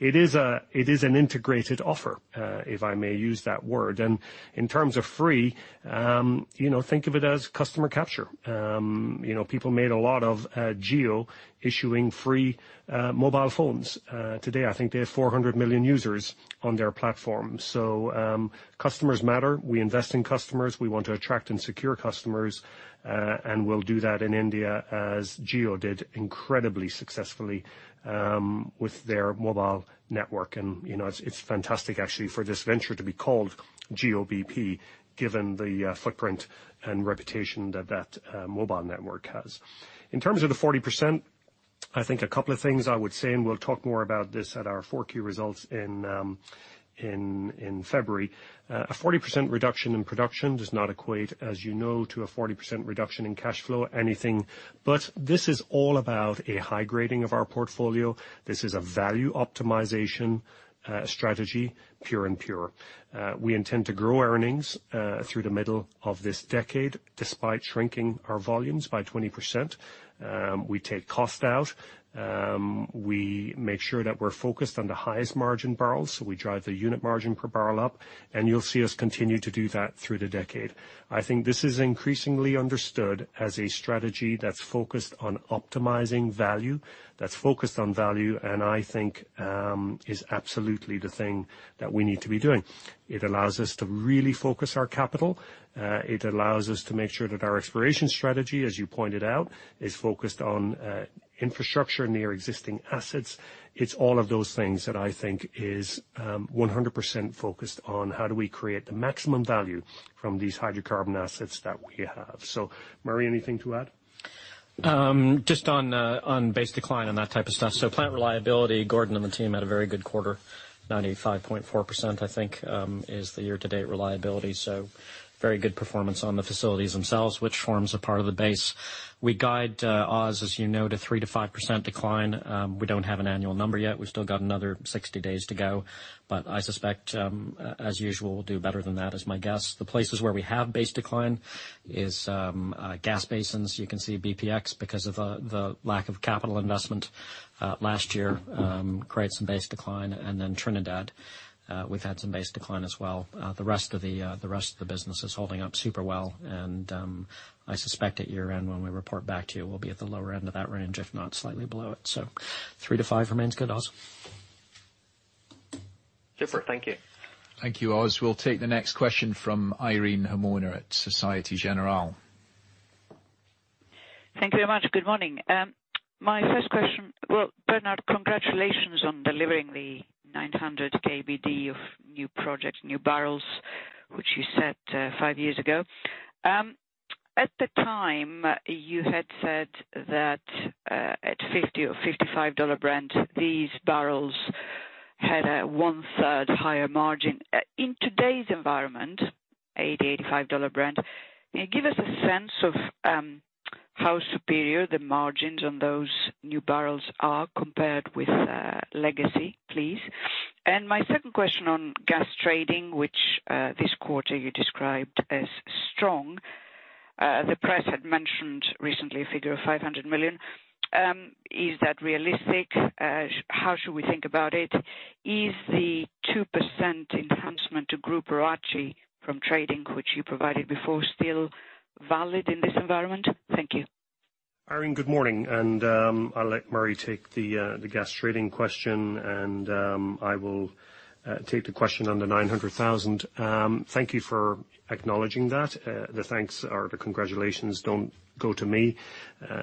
It is an integrated offer, if I may use that word. In terms of free, you know, think of it as customer capture. You know, people made a lot of Jio issuing free mobile phones. Today, I think they have 400 million users on their platform. Customers matter. We invest in customers. We want to attract and secure customers, and we'll do that in India as Jio did incredibly successfully, with their mobile network. You know, it's fantastic actually for this venture to be called Jio-bp, given the footprint and reputation that mobile network has. In terms of the 40%, I think a couple of things I would say, and we'll talk more about this at our 4Q results in February. A 40% reduction in production does not equate, as you know, to a 40% reduction in cash flow, anything. This is all about a high grading of our portfolio. This is a value optimization strategy, pure and simple. We intend to grow earnings through the middle of this decade, despite shrinking our volumes by 20%. We take cost out. We make sure that we're focused on the highest margin barrels, so we drive the unit margin per barrel up, and you'll see us continue to do that through the decade. I think this is increasingly understood as a strategy that's focused on optimizing value, that's focused on value, and I think is absolutely the thing that we need to be doing. It allows us to really focus our capital. It allows us to make sure that our exploration strategy, as you pointed out, is focused on infrastructure near existing assets. It's all of those things that I think is 100% focused on how do we create the maximum value from these hydrocarbon assets that we have. Murray, anything to add? Just on base decline and that type of stuff. Plant reliability, Gordon and the team had a very good quarter. 95.4%, I think, is the year-to-date reliability. Very good performance on the facilities themselves, which forms a part of the base. We guide, Oz, as you know, to 3%-5% decline. We don't have an annual number yet. We've still got another 60 days to go. I suspect, as usual, we'll do better than that, is my guess. The places where we have base decline is gas basins. You can see BPX because of the lack of capital investment last year create some base decline. Then Trinidad, we've had some base decline as well. The rest of the business is holding up super well. I suspect at year-end when we report back to you, we'll be at the lower end of that range, if not slightly below it. 3%-5% remains good, Oz. Super. Thank you. Thank you, Oz. We'll take the next question from Irene Himona at Société Générale. Thank you very much. Good morning. Well, Bernard, congratulations on delivering the 900,000 barrels per day of new projects, new barrels, which you set five years ago. At the time, you had said that at $50 or $55 Brent, these barrels had a one-third higher margin. In today's environment, $80-$85 Brent, can you give us a sense of how superior the margins on those new barrels are compared with legacy, please? My second question on gas trading, which this quarter you described as strong. The press had mentioned recently a figure of $500 million. Is that realistic? How should we think about it? Is the 2% enhancement to group ROACE from trading, which you provided before, still valid in this environment? Thank you. Irene, good morning. I'll let Murray take the gas trading question, and I will take the question on the 900,000 barrels per day. Thank you for acknowledging that. The thanks or the congratulations don't go to me.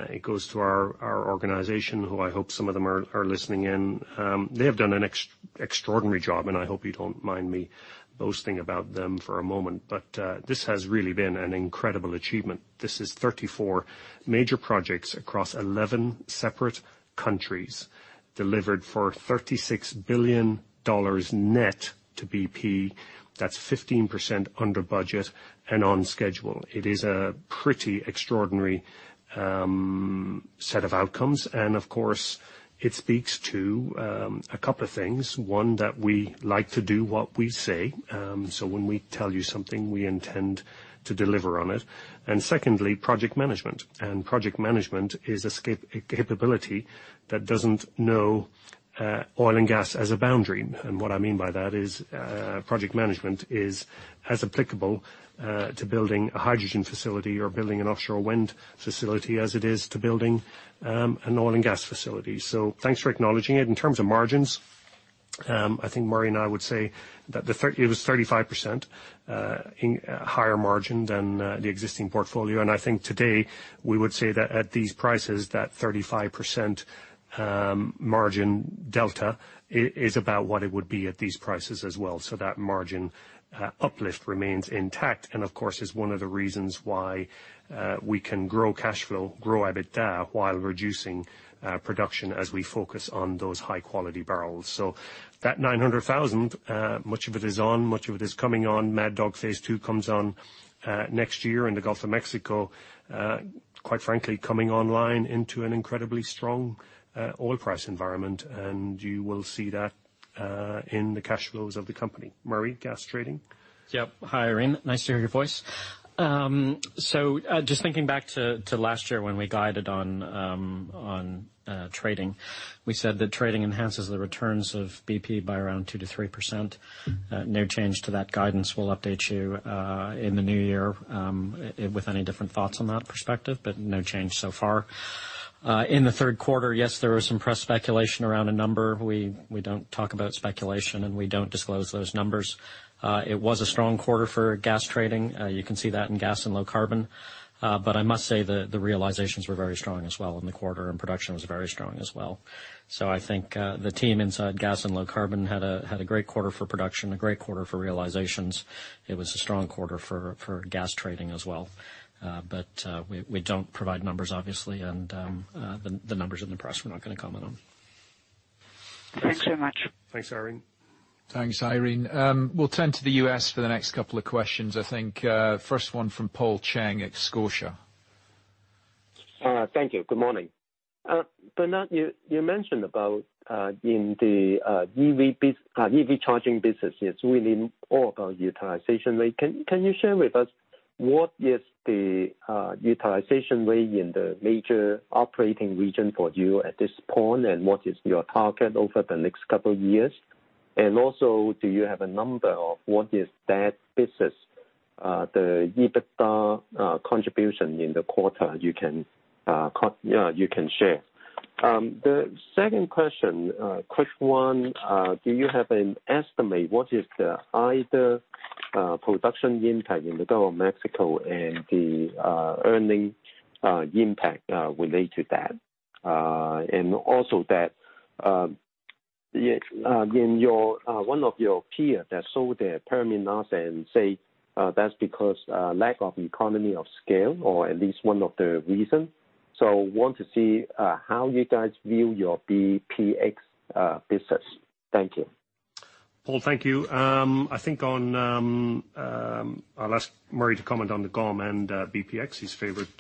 It goes to our organization who I hope some of them are listening in. They have done an extraordinary job, and I hope you don't mind me boasting about them for a moment, but this has really been an incredible achievement. This is 34 major projects across 11 separate countries, delivered for $36 billion net to BP. That's 15% under budget and on schedule. It is a pretty extraordinary set of outcomes. Of course, it speaks to a couple of things. One, that we like to do what we say. When we tell you something, we intend to deliver on it. Secondly, project management. Project management is a capability that doesn't know oil and gas as a boundary. What I mean by that is, project management is as applicable to building a hydrogen facility or building an offshore wind facility as it is to building an oil and gas facility. Thanks for acknowledging it. In terms of margins, I think Murray and I would say that it was 35% higher margin than the existing portfolio. I think today we would say that at these prices, that 35% margin delta is about what it would be at these prices as well. That margin uplift remains intact, and of course, is one of the reasons why we can grow cash flow, grow EBITDA while reducing production as we focus on those high quality barrels. That 900,000, much of it is coming on. Mad Dog Phase II comes on next year in the Gulf of Mexico. Quite frankly, coming online into an incredibly strong oil price environment, and you will see that in the cash flows of the company. Murray, gas trading? Yep. Hi, Irene. Nice to hear your voice. Just thinking back to last year when we guided on trading, we said that trading enhances the returns of BP by around 2%-3%. No change to that guidance. We'll update you in the new year and with any different thoughts on that perspective, but no change so far. In the third quarter, yes, there was some press speculation around a number. We don't talk about speculation, and we don't disclose those numbers. It was a strong quarter for gas trading. You can see that in Gas and Low Carbon. I must say the realizations were very strong as well in the quarter, and production was very strong as well. I think the team inside Gas and Low Carbon had a great quarter for production, a great quarter for realizations. It was a strong quarter for gas trading as well. We don't provide numbers obviously, and the numbers in the press, we're not gonna comment on them. Thanks so much. Thanks, Irene. Thanks, Irene. We'll turn to the U.S. for the next couple of questions. I think, first one from Paul Cheng, Scotiabank. Thank you. Good morning. Bernard, you mentioned about in the EV charging business is really all about utilization rate. Can you share with us what is the utilization rate in the major operating region for you at this point, and what is your target over the next couple of years? Also, do you have a number of what is that business the EBITDA contribution in the quarter you can share? The second question, quick one, do you have an estimate what is the Ida production impact in the Gulf of Mexico and the earnings impact related to that? Also, one of your peers that sold their terminals said that's because of lack of economies of scale, or at least one of the reasons. I want to see how you guys view your bpx business. Thank you. Paul, thank you. I think on, I'll ask Murray to comment on the GOM and BPX, his favorite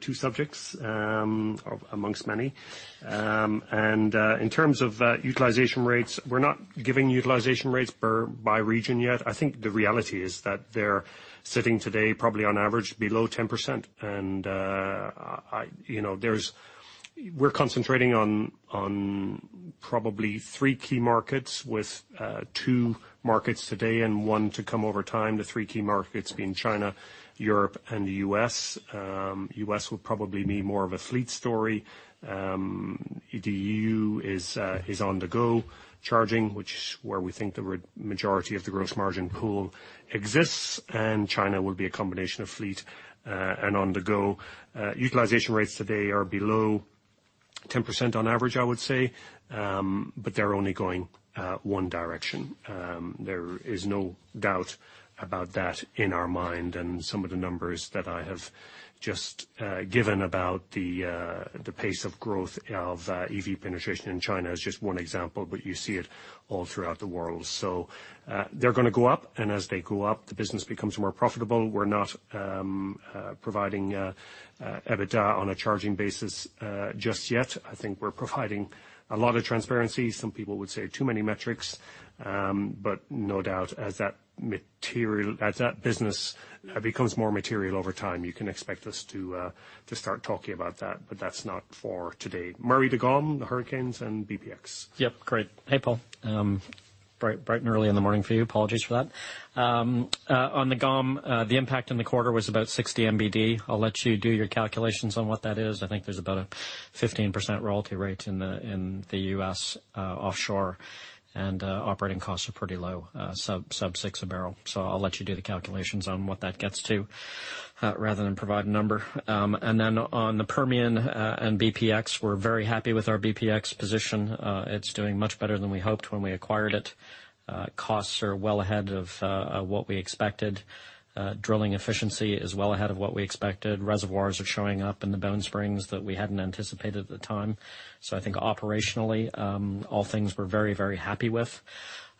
two subjects of amongst many. In terms of utilization rates, we're not giving utilization rates by region yet. I think the reality is that they're sitting today probably on average below 10%. I you know, We're concentrating on probably three key markets with two markets today and one to come over time, the three key markets being China, Europe, and the U.S. U.S. will probably be more of a fleet story. The EU is on the go charging, where we think the majority of the gross margin pool exists. China will be a combination of fleet and on the go. Utilization rates today are below 10% on average, I would say. They're only going one direction. There is no doubt about that in our mind. Some of the numbers that I have just given about the pace of growth of EV penetration in China is just one example, but you see it all throughout the world. They're gonna go up, and as they go up, the business becomes more profitable. We're not providing EBITDA on a charging basis just yet. I think we're providing a lot of transparency. Some people would say too many metrics. No doubt as that business becomes more material over time, you can expect us to start talking about that. That's not for today. Murray, the GOM, the hurricanes, and BPX. Yep. Great. Hey, Paul. Bright and early in the morning for you. Apologies for that. On the GOM, the impact in the quarter was about 60 MBD. I'll let you do your calculations on what that is. I think there's about a 15% royalty rate in the U.S. offshore, and operating costs are pretty low, sub $6 a barrel. I'll let you do the calculations on what that gets to, rather than provide a number. Then on the Permian and BPX, we're very happy with our BPX position. It's doing much better than we hoped when we acquired it. Costs are well ahead of what we expected. Drilling efficiency is well ahead of what we expected. Reservoirs are showing up in the Bone Spring that we hadn't anticipated at the time. I think operationally, all things we're very, very happy with.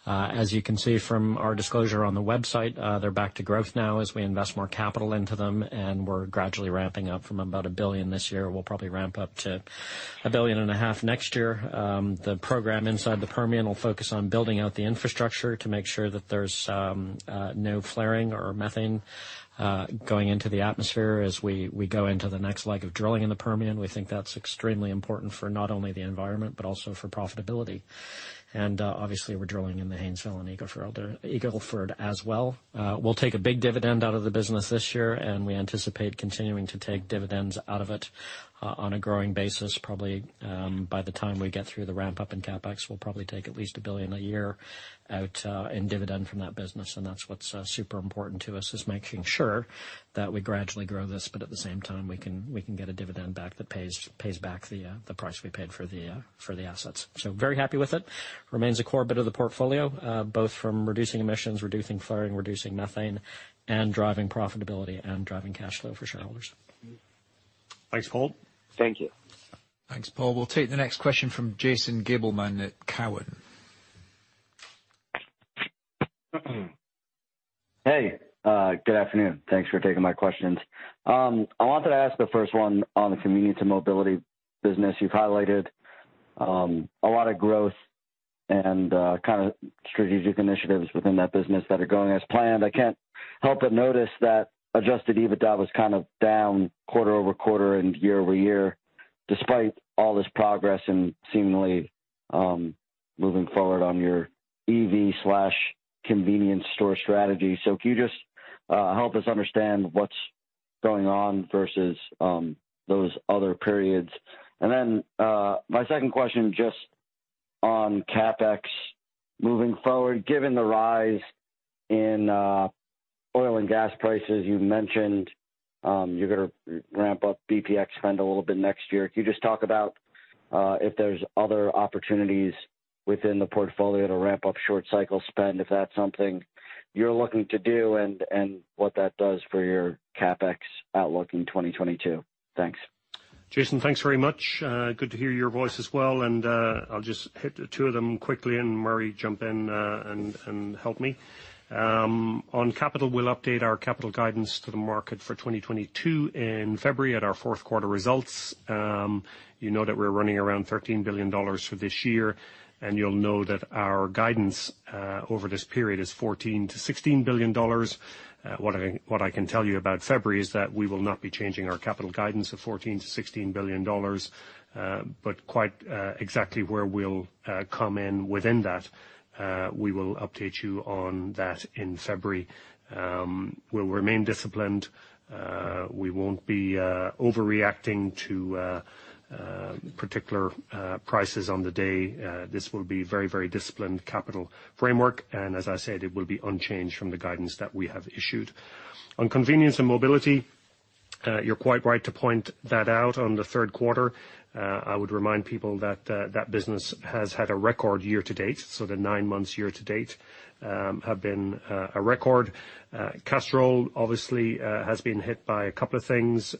As you can see from our disclosure on the website, they're back to growth now as we invest more capital into them, and we're gradually ramping up from about $1 billion this year. We'll probably ramp up to $1.5 billion next year. The program inside the Permian will focus on building out the infrastructure to make sure that there's no flaring or methane going into the atmosphere as we go into the next leg of drilling in the Permian. We think that's extremely important for not only the environment, but also for profitability. Obviously, we're drilling in the Haynesville and Eagle Ford as well. We'll take a big dividend out of the business this year, and we anticipate continuing to take dividends out of it on a growing basis. Probably by the time we get through the ramp up in CapEx, we'll probably take at least $1 billion a year out in dividend from that business. That's what's super important to us, is making sure that we gradually grow this, but at the same time, we can get a dividend back that pays back the price we paid for the assets. Very happy with it. Remains a core bit of the portfolio both from reducing emissions, reducing flaring, reducing methane, and driving profitability and driving cash flow for shareholders. Thanks, Paul. Thank you. Thanks, Paul. We'll take the next question from Jason Gabelman at Cowen and Company. Hey, good afternoon. Thanks for taking my questions. I wanted to ask the first one on the convenience and mobility business. You've highlighted a lot of growth and kind of strategic initiatives within that business that are going as planned. I can't help but notice that adjusted EBITDA was kind of down quarter-over-quarter and year-over-year, despite all this progress and seemingly moving forward on your EV/convenience store strategy. Can you just help us understand what's going on versus those other periods? My second question just on CapEx moving forward, given the rise in oil and gas prices, you mentioned you're gonna ramp up bpx spend a little bit next year. Can you just talk about if there's other opportunities within the portfolio to ramp up short cycle spend, if that's something you're looking to do and what that does for your CapEx outlook in 2022? Thanks. Jason, thanks very much. Good to hear your voice as well, and I'll just hit the two of them quickly and Murray jump in and help me. On capital, we'll update our capital guidance to the market for 2022 in February at our fourth quarter results. You know that we're running around $13 billion for this year, and you'll know that our guidance over this period is $14 billion-$16 billion. What I can tell you about February is that we will not be changing our capital guidance of $14 billion-$16 billion, but exactly where we'll come in within that, we will update you on that in February. We'll remain disciplined. We won't be overreacting to particular prices on the day. This will be very, very disciplined capital framework. As I said, it will be unchanged from the guidance that we have issued. On convenience and mobility, you're quite right to point that out on the third quarter. I would remind people that that business has had a record year to date. The nine months year to date have been a record. Castrol obviously has been hit by a couple of things.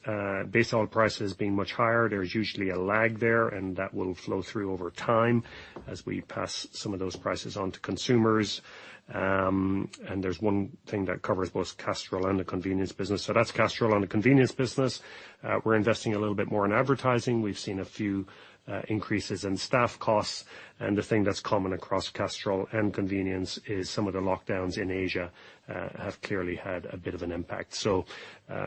Base oil prices being much higher. There's usually a lag there, and that will flow through over time as we pass some of those prices on to consumers. There's one thing that covers both Castrol and the convenience business. That's Castrol. On the convenience business, we're investing a little bit more in advertising. We've seen a few increases in staff costs. The thing that's common across Castrol and convenience is some of the lockdowns in Asia have clearly had a bit of an impact.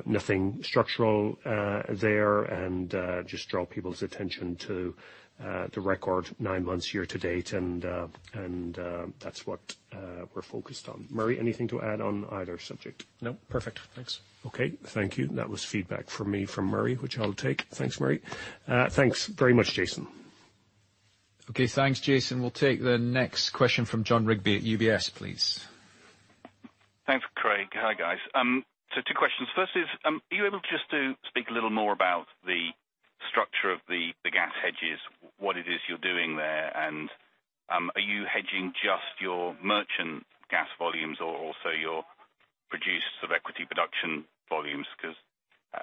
Nothing structural there. Just draw people's attention to the record nine months year to date. That's what we're focused on. Murray, anything to add on either subject? No. Perfect. Thanks. Okay. Thank you. That was feedback for me from Murray, which I'll take. Thanks, Murray. Thanks very much, Jason. Okay. Thanks, Jason. We'll take the next question from Jon Rigby at UBS, please. Thanks, Craig. Hi, guys. Two questions. First is, are you able just to speak a little more about the structure of the gas hedges, what it is you're doing there? Are you hedging just your merchant gas volumes or also your equity production volumes? 'Cause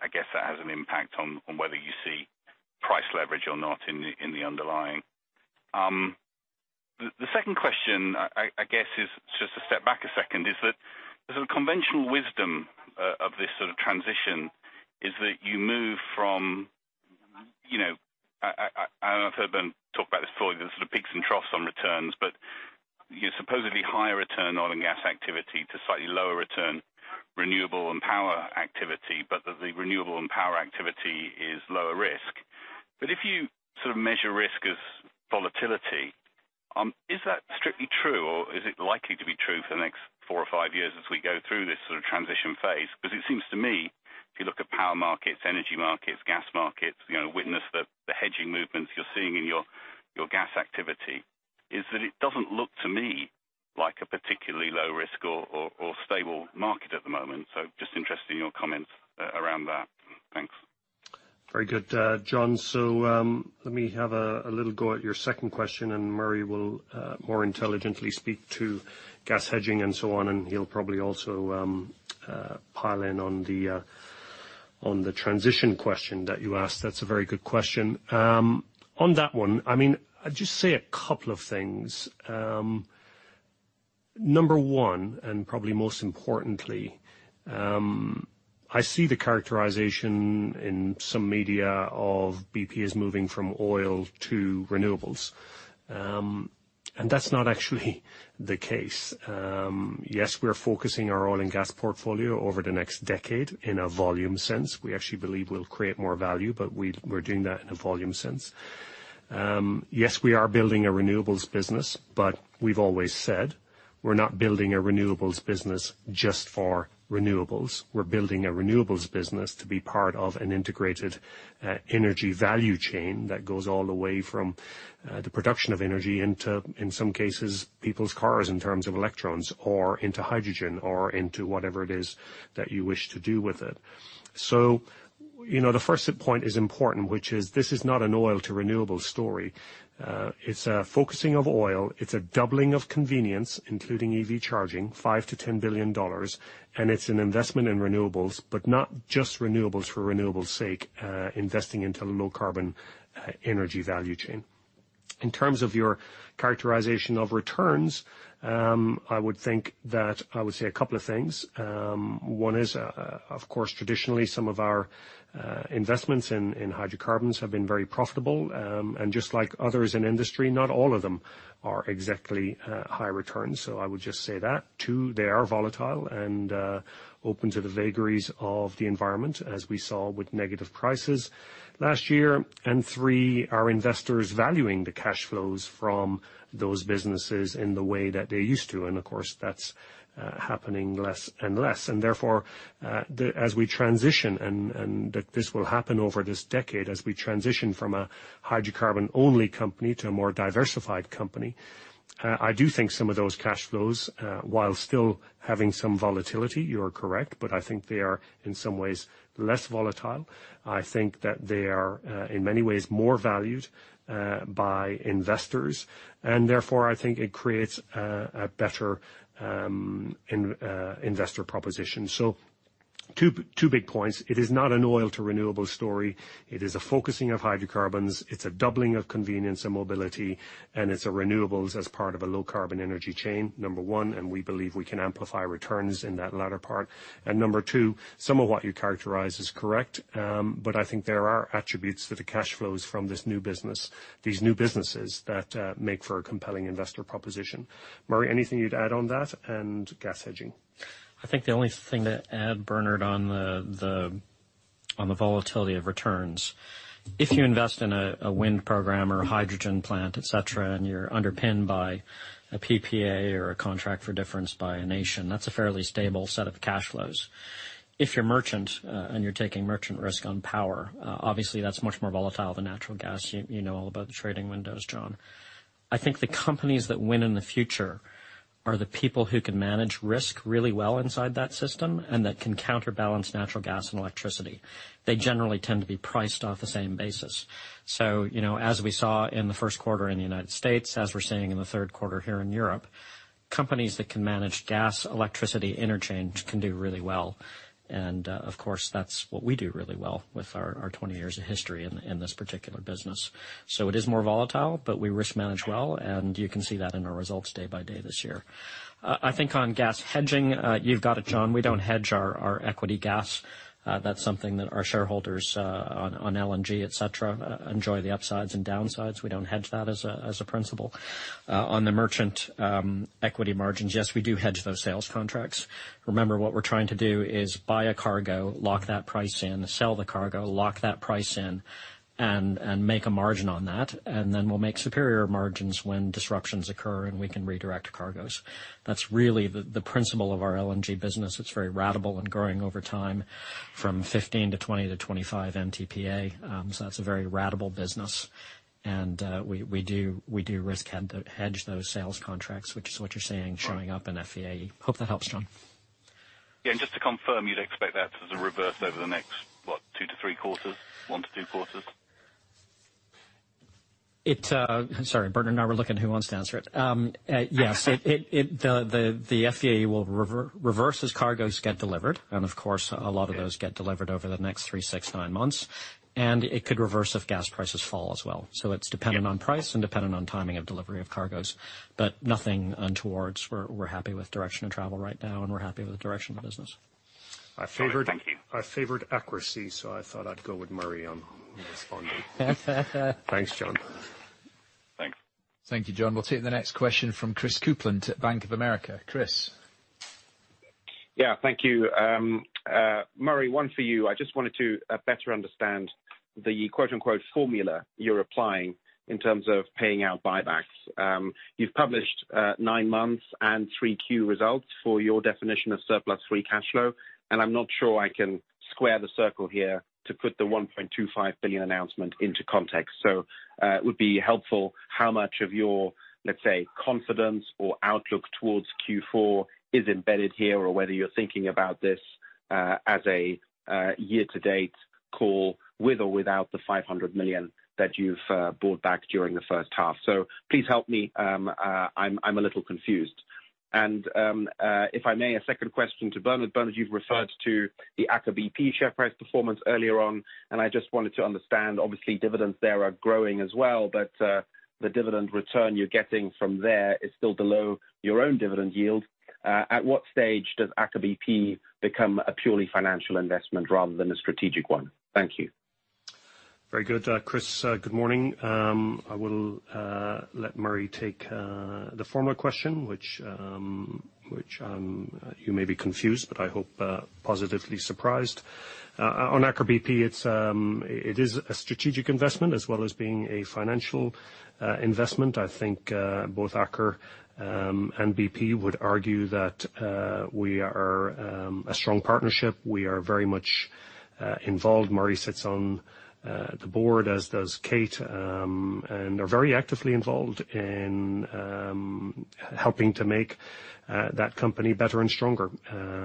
I guess that has an impact on whether you see price leverage or not in the underlying. The second question, I guess, is just to step back a second, is that the sort of conventional wisdom of this sort of transition is that you move from, you know, I don't know, I've heard them talk about this before, the sort of peaks and troughs on returns, but, you know, supposedly higher return oil and gas activity to slightly lower return renewable and power activity, but that the renewable and power activity is lower risk. If you sort of measure risk as volatility, is that strictly true or is it likely to be true for the next four or five years as we go through this sort of transition phase? Because it seems to me, if you look at power markets, energy markets, gas markets, you know, witness the hedging movements you're seeing in your gas activity, is that it doesn't look to me like a particularly low risk or stable market at the moment. So just interested in your comments around that. Thanks. Very good, Jon. Let me have a little go at your second question and Murray will more intelligently speak to gas hedging and so on, and he'll probably also pile in on the transition question that you asked. That's a very good question. On that one, I mean, I'd just say a couple of things. Number one, and probably most importantly, I see the characterization in some media of BP is moving from oil to renewables. That's not actually the case. Yes, we're focusing our oil and gas portfolio over the next decade in a volume sense. We actually believe we'll create more value, but we're doing that in a volume sense. Yes, we are building a renewables business, but we've always said we're not building a renewables business just for renewables. We're building a renewables business to be part of an integrated energy value chain that goes all the way from the production of energy into, in some cases, people's cars in terms of electrons or into hydrogen or into whatever it is that you wish to do with it. You know, the first point is important, which is this is not an oil to renewables story. It's a focusing of oil. It's a doubling of convenience, including EV charging, $5 billion-$10 billion. It's an investment in renewables, but not just renewables for renewables sake, investing into low carbon energy value chain. In terms of your characterization of returns, I would think that I would say a couple of things. One is, of course, traditionally, some of our investments in hydrocarbons have been very profitable. Just like others in industry, not all of them are exactly high return. So I would just say that. Two, they are volatile and open to the vagaries of the environment, as we saw with negative prices last year. Three, are investors valuing the cash flows from those businesses in the way that they used to? Of course, that's happening less and less. Therefore, as we transition and this will happen over this decade as we transition from a hydrocarbon-only company to a more diversified company. I do think some of those cash flows, while still having some volatility, you're correct, but I think they are, in some ways, less volatile. I think that they are in many ways more valued by investors, and therefore, I think it creates a better investor proposition. Two big points. It is not an oil to renewable story. It is a focusing of hydrocarbons. It's a doubling of convenience and mobility, and it's a renewables as part of a low carbon energy chain, number one, and we believe we can amplify returns in that latter part. Number two, some of what you characterize is correct, but I think there are attributes to the cash flows from this new business, these new businesses that make for a compelling investor proposition. Murray, anything you'd add on that and gas hedging? I think the only thing to add, Bernard, on the volatility of returns, if you invest in a wind program or a hydrogen plant, et cetera, and you're underpinned by a PPA or a Contract for Difference by a nation, that's a fairly stable set of cash flows. If you're merchant and you're taking merchant risk on power, obviously that's much more volatile than natural gas. You know all about the trading windows, Jon. I think the companies that win in the future are the people who can manage risk really well inside that system and that can counterbalance natural gas and electricity. They generally tend to be priced off the same basis. You know, as we saw in the first quarter in the United States, as we're seeing in the third quarter here in Europe, companies that can manage gas, electricity interchange can do really well. Of course, that's what we do really well with our 20 years of history in this particular business. It is more volatile, but we risk manage well, and you can see that in our results day by day this year. I think on gas hedging, you've got it, Jon. We don't hedge our equity gas. That's something that our shareholders on LNG, et cetera, enjoy the upsides and downsides. We don't hedge that as a principle. On the merchant equity margins, yes, we do hedge those sales contracts. Remember, what we're trying to do is buy a cargo, lock that price in, sell the cargo, lock that price in, and make a margin on that. Then we'll make superior margins when disruptions occur, and we can redirect cargoes. That's really the principle of our LNG business. It's very ratable and growing over time from 15 MTPA to 20 MTPA-25 MTPA. That's a very ratable business. We do risk hedge those sales contracts, which is what you're seeing show up in FVAE. Hope that helps, John. Yeah. Just to confirm, you'd expect that to sort of reverse over the next, what, two to three quarters? One to two quarters? Sorry, Bernard. Now we're looking at who wants to answer it. Yes. The FVAE will reverse as cargoes get delivered, and of course, a lot of those get delivered over the next three months, six months, nine months. It could reverse if gas prices fall as well. It's dependent on price and dependent on timing of delivery of cargoes. Nothing untoward. We're happy with direction of travel right now, and we're happy with the direction of the business. All right. Thank you. I favored accuracy, so I thought I'd go with Murray on responding. Thanks, John. Thanks. Thank you, John. We'll take the next question from Christopher Kuplent at Bank of America. Chris. Yeah. Thank you. Murray, one for you. I just wanted to better understand the quote-unquote formula you're applying in terms of paying out buybacks. You've published nine months and 3Q results for your definition of surplus free cash flow, and I'm not sure I can square the circle here to put the $1.25 billion announcement into context. It would be helpful how much of your, let's say, confidence or outlook towards Q4 is embedded here, or whether you're thinking about this as a year-to-date call with or without the $500 million that you've bought back during the first half. Please help me. I'm a little confused. If I may, a second question to Bernard. Bernard, you've referred to the Aker BP share price performance earlier on, and I just wanted to understand, obviously, dividends there are growing as well, but the dividend return you're getting from there is still below your own dividend yield. At what stage does Aker BP become a purely financial investment rather than a strategic one? Thank you. Very good. Chris, good morning. I will let Murray take the first question, which you may be confused, but I hope positively surprised. On Aker BP, it is a strategic investment as well as being a financial investment. I think both Aker and BP would argue that we are a strong partnership. We are very much involved. Murray sits on the board, as does Kate, and are very actively involved in helping to make that company better and stronger,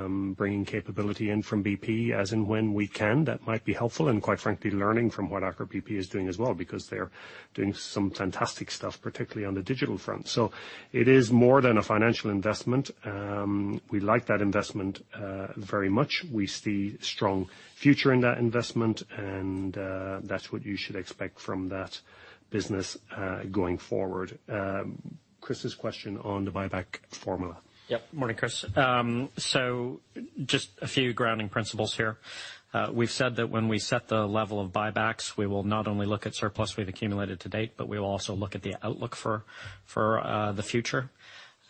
bringing capability in from BP as and when we can that might be helpful, and quite frankly, learning from what Aker BP is doing as well, because they're doing some fantastic stuff, particularly on the digital front. It is more than a financial investment. We like that investment very much. We see strong future in that investment, and that's what you should expect from that business going forward. Chris' question on the buyback formula. Yep. Morning, Chris. Just a few grounding principles here. We've said that when we set the level of buybacks, we will not only look at surplus we've accumulated to date, but we will also look at the outlook for the future.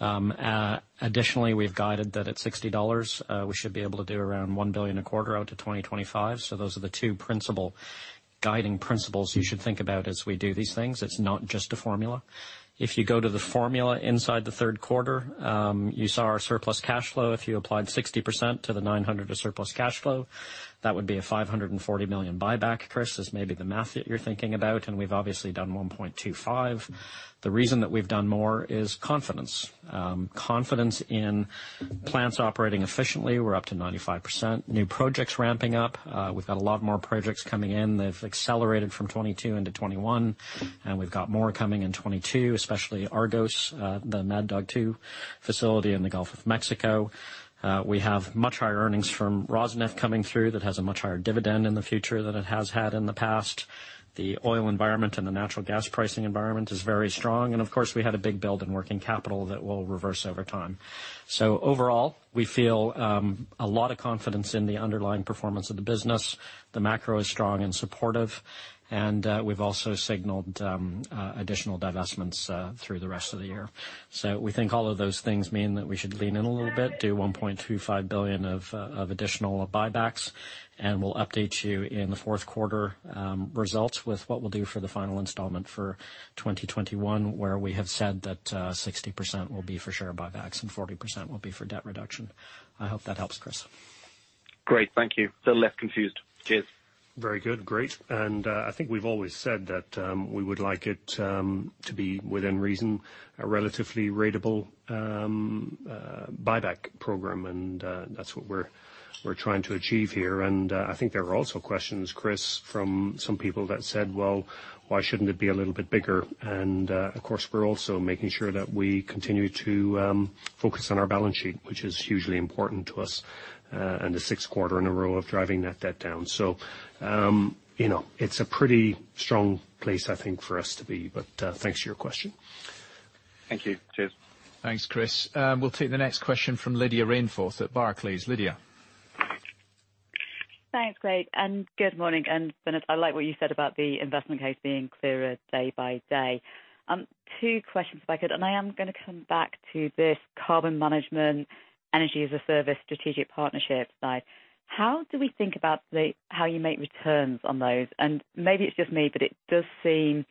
Additionally, we've guided that at $60, we should be able to do around $1 billion a quarter out to 2025. Those are the two principal guiding principles you should think about as we do these things. It's not just a formula. If you go to the formula inside the third quarter, you saw our surplus cash flow. If you applied 60% to the $900 million of surplus cash flow, that would be a $540 million buyback, Chris. This may be the math that you're thinking about, and we've obviously done $1.25 billion. The reason that we've done more is confidence. Confidence in plants operating efficiently. We're up to 95%. New projects ramping up. We've got a lot more projects coming in. They've accelerated from 2022 into 2021, and we've got more coming in 2022, especially Argos, the Mad Dog Two facility in the Gulf of Mexico. We have much higher earnings from Rosneft coming through that has a much higher dividend in the future than it has had in the past. The oil environment and the natural gas pricing environment is very strong, and of course, we had a big build in working capital that will reverse over time. Overall, we feel a lot of confidence in the underlying performance of the business. The macro is strong and supportive, and we've also signaled additional divestments through the rest of the year. We think all of those things mean that we should lean in a little bit, do $1.25 billion of additional buybacks, and we'll update you in the fourth quarter results with what we'll do for the final installment for 2021, where we have said that 60% will be for share buybacks and 40% will be for debt reduction. I hope that helps, Chris. Great. Thank you. Still left confused. Cheers. Very good. Great. I think we've always said that we would like it to be, within reason, a relatively ratable buyback program. That's what we're trying to achieve here. I think there are also questions, Chris, from some people that said, "Well, why shouldn't it be a little bit bigger?" Of course, we're also making sure that we continue to focus on our balance sheet, which is hugely important to us, and the sixth quarter in a row of driving net debt down. You know, it's a pretty strong place, I think, for us to be. Thanks for your question. Thank you. Cheers. Thanks, Chris. We'll take the next question from Lydia Rainforth at Barclays. Lydia. Thanks, Greg, and good morning. Bennett, I like what you said about the investment case being clearer day by day. Two questions, if I could. I am gonna come back to this carbon management energy-as-a-service strategic partnership side. How do we think about how you make returns on those? Maybe it's just me, but it does seem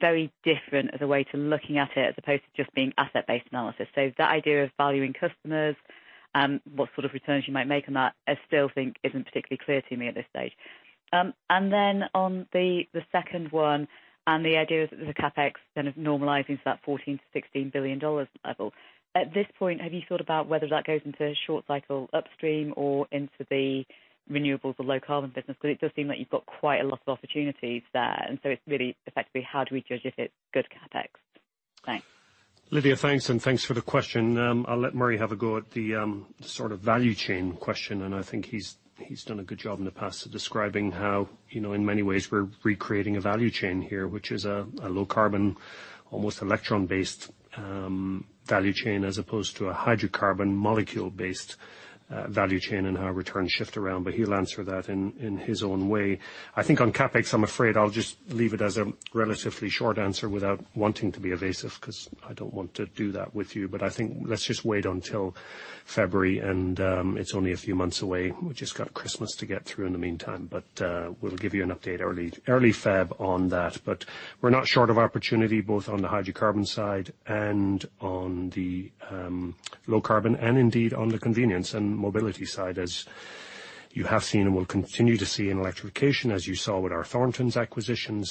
very different as a way to looking at it as opposed to just being asset-based analysis. That idea of valuing customers, what sort of returns you might make on that, I still think isn't particularly clear to me at this stage. Then on the second one and the idea that the CapEx kind of normalizing to that $14 billion-$16 billion level. At this point, have you thought about whether that goes into short cycle upstream or into the renewables or low carbon business? Because it does seem like you've got quite a lot of opportunities there. It's really effectively how do we judge if it's good CapEx? Thanks. Lydia, thanks, and thanks for the question. I'll let Murray have a go at the sort of value chain question, and I think he's done a good job in the past of describing how, you know, in many ways we're recreating a value chain here, which is a low carbon, almost electron-based value chain, as opposed to a hydrocarbon molecule-based value chain and how returns shift around. He'll answer that in his own way. I think on CapEx, I'm afraid I'll just leave it as a relatively short answer without wanting to be evasive, 'cause I don't want to do that with you. I think let's just wait until February and it's only a few months away. We've just got Christmas to get through in the meantime, but we'll give you an update early Feb on that. We're not short of opportunity, both on the hydrocarbon side and on the low carbon, and indeed on the convenience and mobility side, as you have seen and will continue to see in electrification, as you saw with our Thorntons acquisition.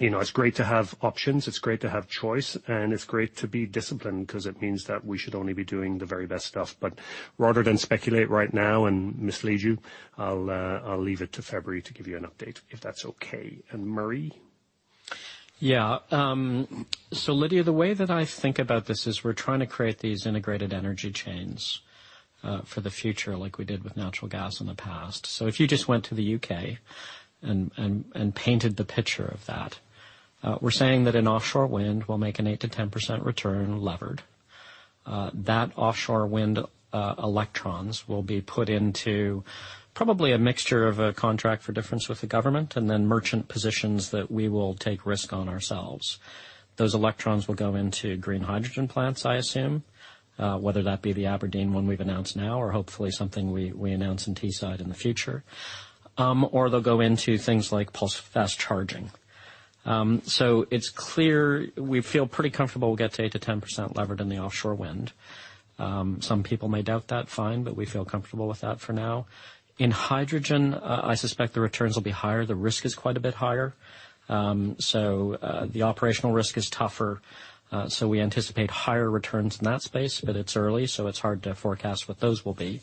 You know, it's great to have options, it's great to have choice, and it's great to be disciplined 'cause it means that we should only be doing the very best stuff. Rather than speculate right now and mislead you, I'll leave it to February to give you an update, if that's okay. Murray? Yeah. Lydia, the way that I think about this is we're trying to create these integrated energy chains for the future like we did with natural gas in the past. If you just went to the U.K. and painted the picture of that, we're saying that in offshore wind we'll make an 8%-10% return levered. That offshore wind electrons will be put into probably a mixture of a Contract for Difference with the government and then merchant positions that we will take risk on ourselves. Those electrons will go into green hydrogen plants, I assume, whether that be the Aberdeen one we've announced now or hopefully something we announce in Teesside in the future. Or they'll go into things like BP pulse fast charging. It's clear we feel pretty comfortable we'll get to 8%-10% levered in the offshore wind. Some people may doubt that, fine, but we feel comfortable with that for now. In hydrogen, I suspect the returns will be higher. The risk is quite a bit higher. The operational risk is tougher. We anticipate higher returns in that space, but it's early, so it's hard to forecast what those will be.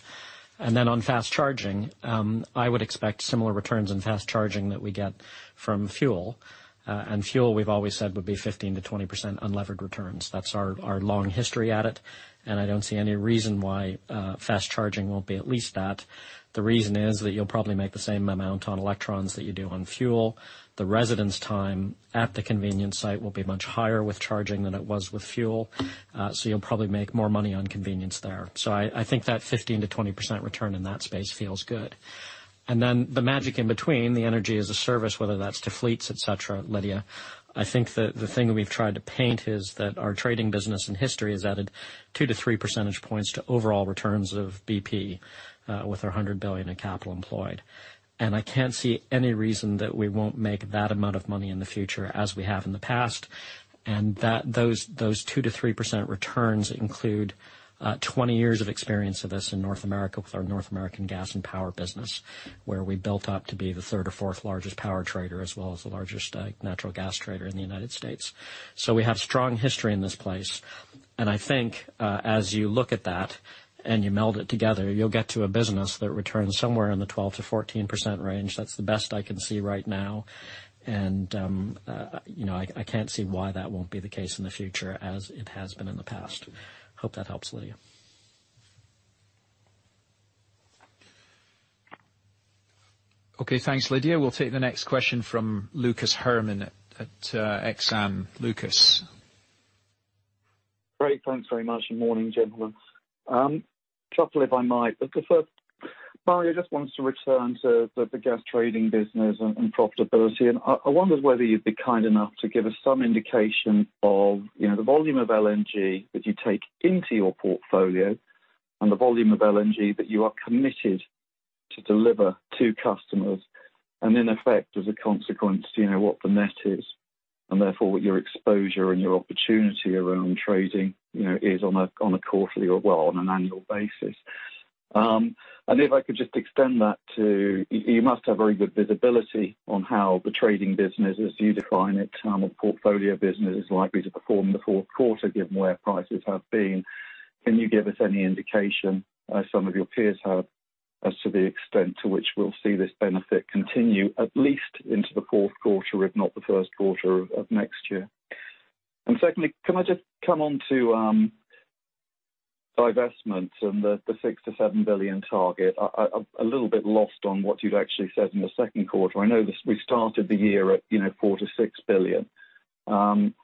On fast charging, I would expect similar returns in fast charging that we get from fuel. Fuel we've always said would be 15%-20% unlevered returns. That's our long history at it, and I don't see any reason why fast charging won't be at least that. The reason is that you'll probably make the same amount on electrons that you do on fuel. The residence time at the convenience site will be much higher with charging than it was with fuel, so you'll probably make more money on convenience there. I think that 15%-20% return in that space feels good. The magic in between, the energy as a service, whether that's to fleets, et cetera, Lydia. I think the thing we've tried to paint is that our trading business in history has added 2 percentage points-3 percentage points to overall returns of BP with our $100 billion in capital employed. I can't see any reason that we won't make that amount of money in the future as we have in the past, and that those 2%-3% returns include 20 years of experience of this in North America with our North American gas and power business, where we built up to be the third or fourth largest power trader, as well as the largest natural gas trader in the United States. We have strong history in this place, and I think, as you look at that and you meld it together, you'll get to a business that returns somewhere in the 12%-14% range. That's the best I can see right now. You know, I can't see why that won't be the case in the future as it has been in the past. Hope that helps, Lydia. Okay. Thanks, Lydia. We'll take the next question from Lucas Herrmann at BNP Paribas Exane. Lucas. Great. Thanks very much, good morning, gentlemen. Murray, I just wanted to return to the gas trading business and profitability. I wondered whether you'd be kind enough to give us some indication of, you know, the volume of LNG that you take into your portfolio and the volume of LNG that you are committed to deliver to customers. In effect, as a consequence, you know, what the net is, and therefore what your exposure and your opportunity around trading, you know, is on a quarterly or, well, on an annual basis. If I could just extend that to you must have very good visibility on how the trading business, as you define it, a portfolio business, is likely to perform in the fourth quarter, given where prices have been. Can you give us any indication, as some of your peers have, as to the extent to which we'll see this benefit continue at least into the fourth quarter, if not the first quarter of next year? And secondly, can I just come on to divestments and the $6 billion-$7 billion target? I'm a little bit lost on what you've actually said in the second quarter. I know we started the year at, you know, $4 billion-$6 billion.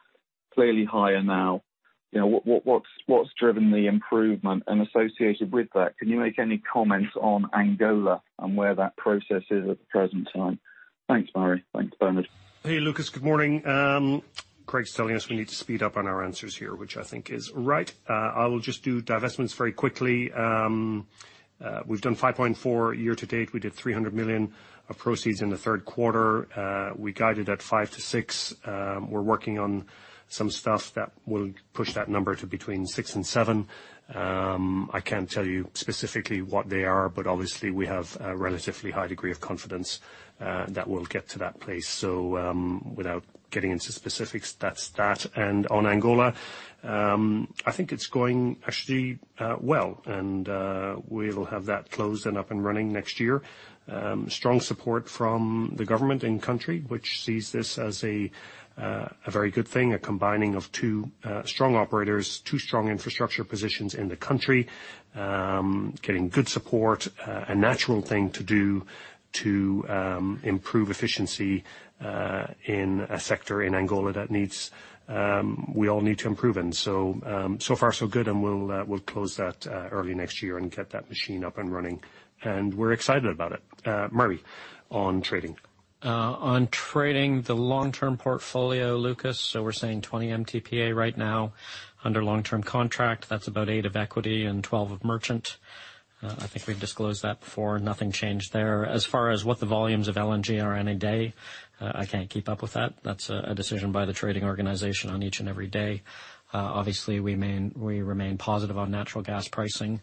Clearly higher now. You know, what's driven the improvement? And associated with that, can you make any comments on Angola and where that process is at the present time? Thanks, Murray. Thanks, Bernard. Hey, Lucas. Good morning. Greg's telling us we need to speed up on our answers here, which I think is right. I will just do divestments very quickly. We've done $5.4 billion year to date. We did $300 million of proceeds in the third quarter. We guided at $5 billion-$6 billion. We're working on some stuff that will push that number to between $6 billion and $7 billion. I can't tell you specifically what they are, but obviously we have a relatively high degree of confidence that we'll get to that place. Without getting into specifics, that's that. On Angola, I think it's going actually well, and we will have that closed and up and running next year. Strong support from the government in country, which sees this as a very good thing, a combining of two strong operators, two strong infrastructure positions in the country. Getting good support, a natural thing to do to improve efficiency in a sector in Angola that needs, we all need to improve in. So far so good, and we'll close that early next year and get that machine up and running. We're excited about it. Murray on trading. On trading the long-term portfolio, Lucas. We're saying 20 MTPA right now under long-term contract. That's about 8 of equity and 12 of merchant. I think we've disclosed that before. Nothing changed there. As far as what the volumes of LNG are any day, I can't keep up with that. That's a decision by the trading organization on each and every day. Obviously we remain positive on natural gas pricing,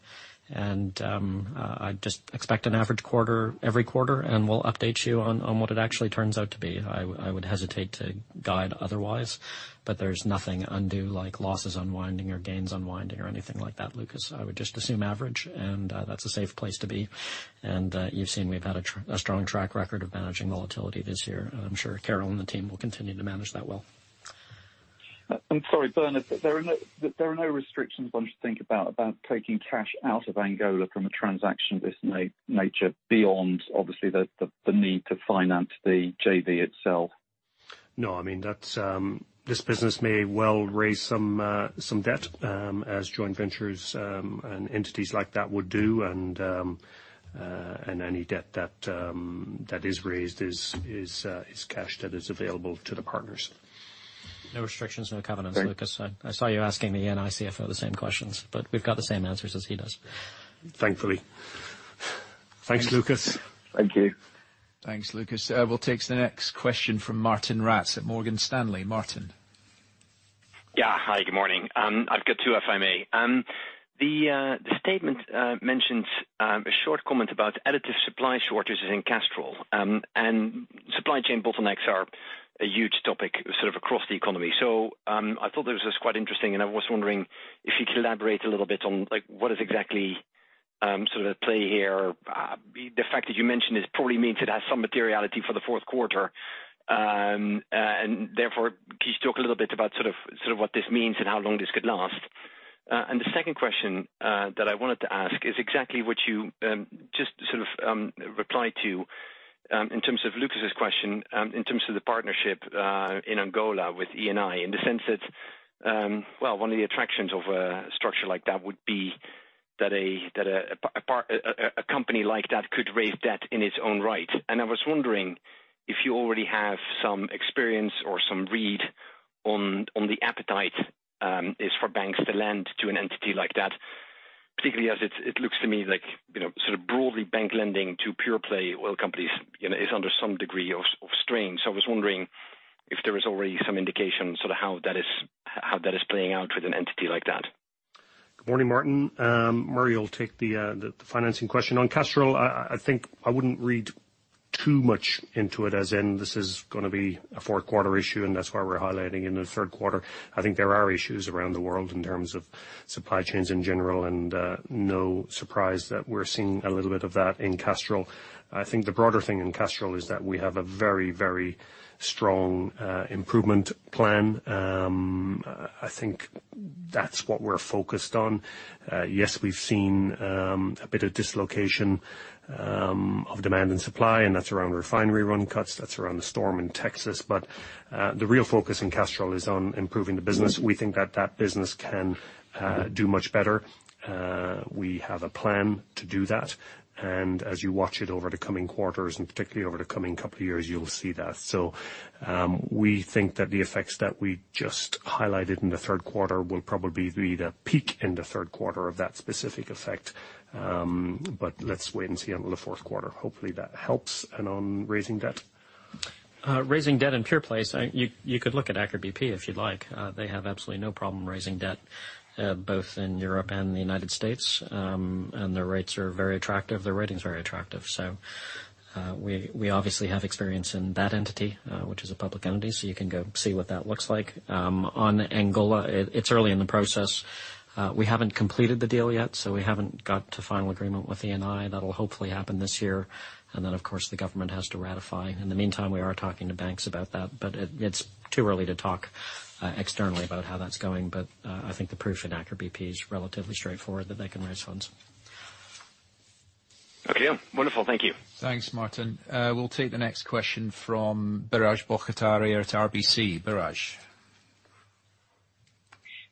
and I just expect an average quarter every quarter, and we'll update you on what it actually turns out to be. I would hesitate to guide otherwise, but there's nothing undue like losses unwinding or gains unwinding or anything like that, Lucas. I would just assume average, and that's a safe place to be. You've seen we've had a strong track record of managing volatility this year. I'm sure Carol and the team will continue to manage that well. I'm sorry, Bernard, there are no restrictions one should think about taking cash out of Angola from a transaction of this nature beyond obviously the need to finance the JV itself? No, I mean, that's this business may well raise some debt as joint ventures and entities like that would do. Any debt that is raised is cash that is available to the partners. No restrictions, no covenants, Lucas. Thank you. I saw you asking the Eni Chief Financial Officer the same questions, but we've got the same answers as he does. Thankfully. Thanks, Lucas. Thank you. Thanks, Lucas. We'll take the next question from Martijn Rats at Morgan Stanley. Martijn. Yeah. Hi, good morning. I've got two, if I may. The statement mentions a short comment about additive supply shortages in Castrol. Supply chain bottlenecks are a huge topic sort of across the economy. I thought this was quite interesting, and I was wondering if you'd elaborate a little bit on, like, what is exactly sort of at play here. The fact that you mentioned this probably means it has some materiality for the fourth quarter. Therefore, can you talk a little bit about sort of what this means and how long this could last? The second question that I wanted to ask is exactly what you just sort of replied to In terms of Lucas Herrmann's question, in terms of the partnership in Angola with Eni, in the sense that, well, one of the attractions of a structure like that would be that a company like that could raise debt in its own right. I was wondering if you already have some experience or some read on the appetite is for banks to lend to an entity like that, particularly as it looks to me like, you know, sort of broadly bank lending to pure play oil companies, you know, is under some degree of strain. I was wondering if there is already some indication sort of how that is playing out with an entity like that. Good morning, Martijn. Murray will take the financing question. On Castrol, I think I wouldn't read too much into it as in this is gonna be a fourth quarter issue, and that's why we're highlighting in the third quarter. I think there are issues around the world in terms of supply chains in general, and no surprise that we're seeing a little bit of that in Castrol. I think the broader thing in Castrol is that we have a very, very strong improvement plan. I think that's what we're focused on. Yes, we've seen a bit of dislocation of demand and supply, and that's around refinery run cuts. That's around the storm in Texas. The real focus in Castrol is on improving the business. We think that that business can do much better. We have a plan to do that. As you watch it over the coming quarters, and particularly over the coming couple of years, you'll see that. We think that the effects that we just highlighted in the third quarter will probably be the peak in the third quarter of that specific effect. Let's wait and see on the fourth quarter. Hopefully, that helps. On raising debt? Raising debt in pure plays, you could look at Aker BP if you'd like. They have absolutely no problem raising debt both in Europe and the United States. Their rates are very attractive, their ratings are very attractive. We obviously have experience in that entity, which is a public entity. You can go see what that looks like. On Angola, it's early in the process. We haven't completed the deal yet, so we haven't got to final agreement with Eni. That'll hopefully happen this year. Of course, the government has to ratify. In the meantime, we are talking to banks about that, but it's too early to talk externally about how that's going. I think the proof in Aker BP is relatively straightforward that they can raise funds. Okay. Wonderful. Thank you. Thanks, Martijn. We'll take the next question from Biraj Borkhataria at RBC Capital Markets. Biraj.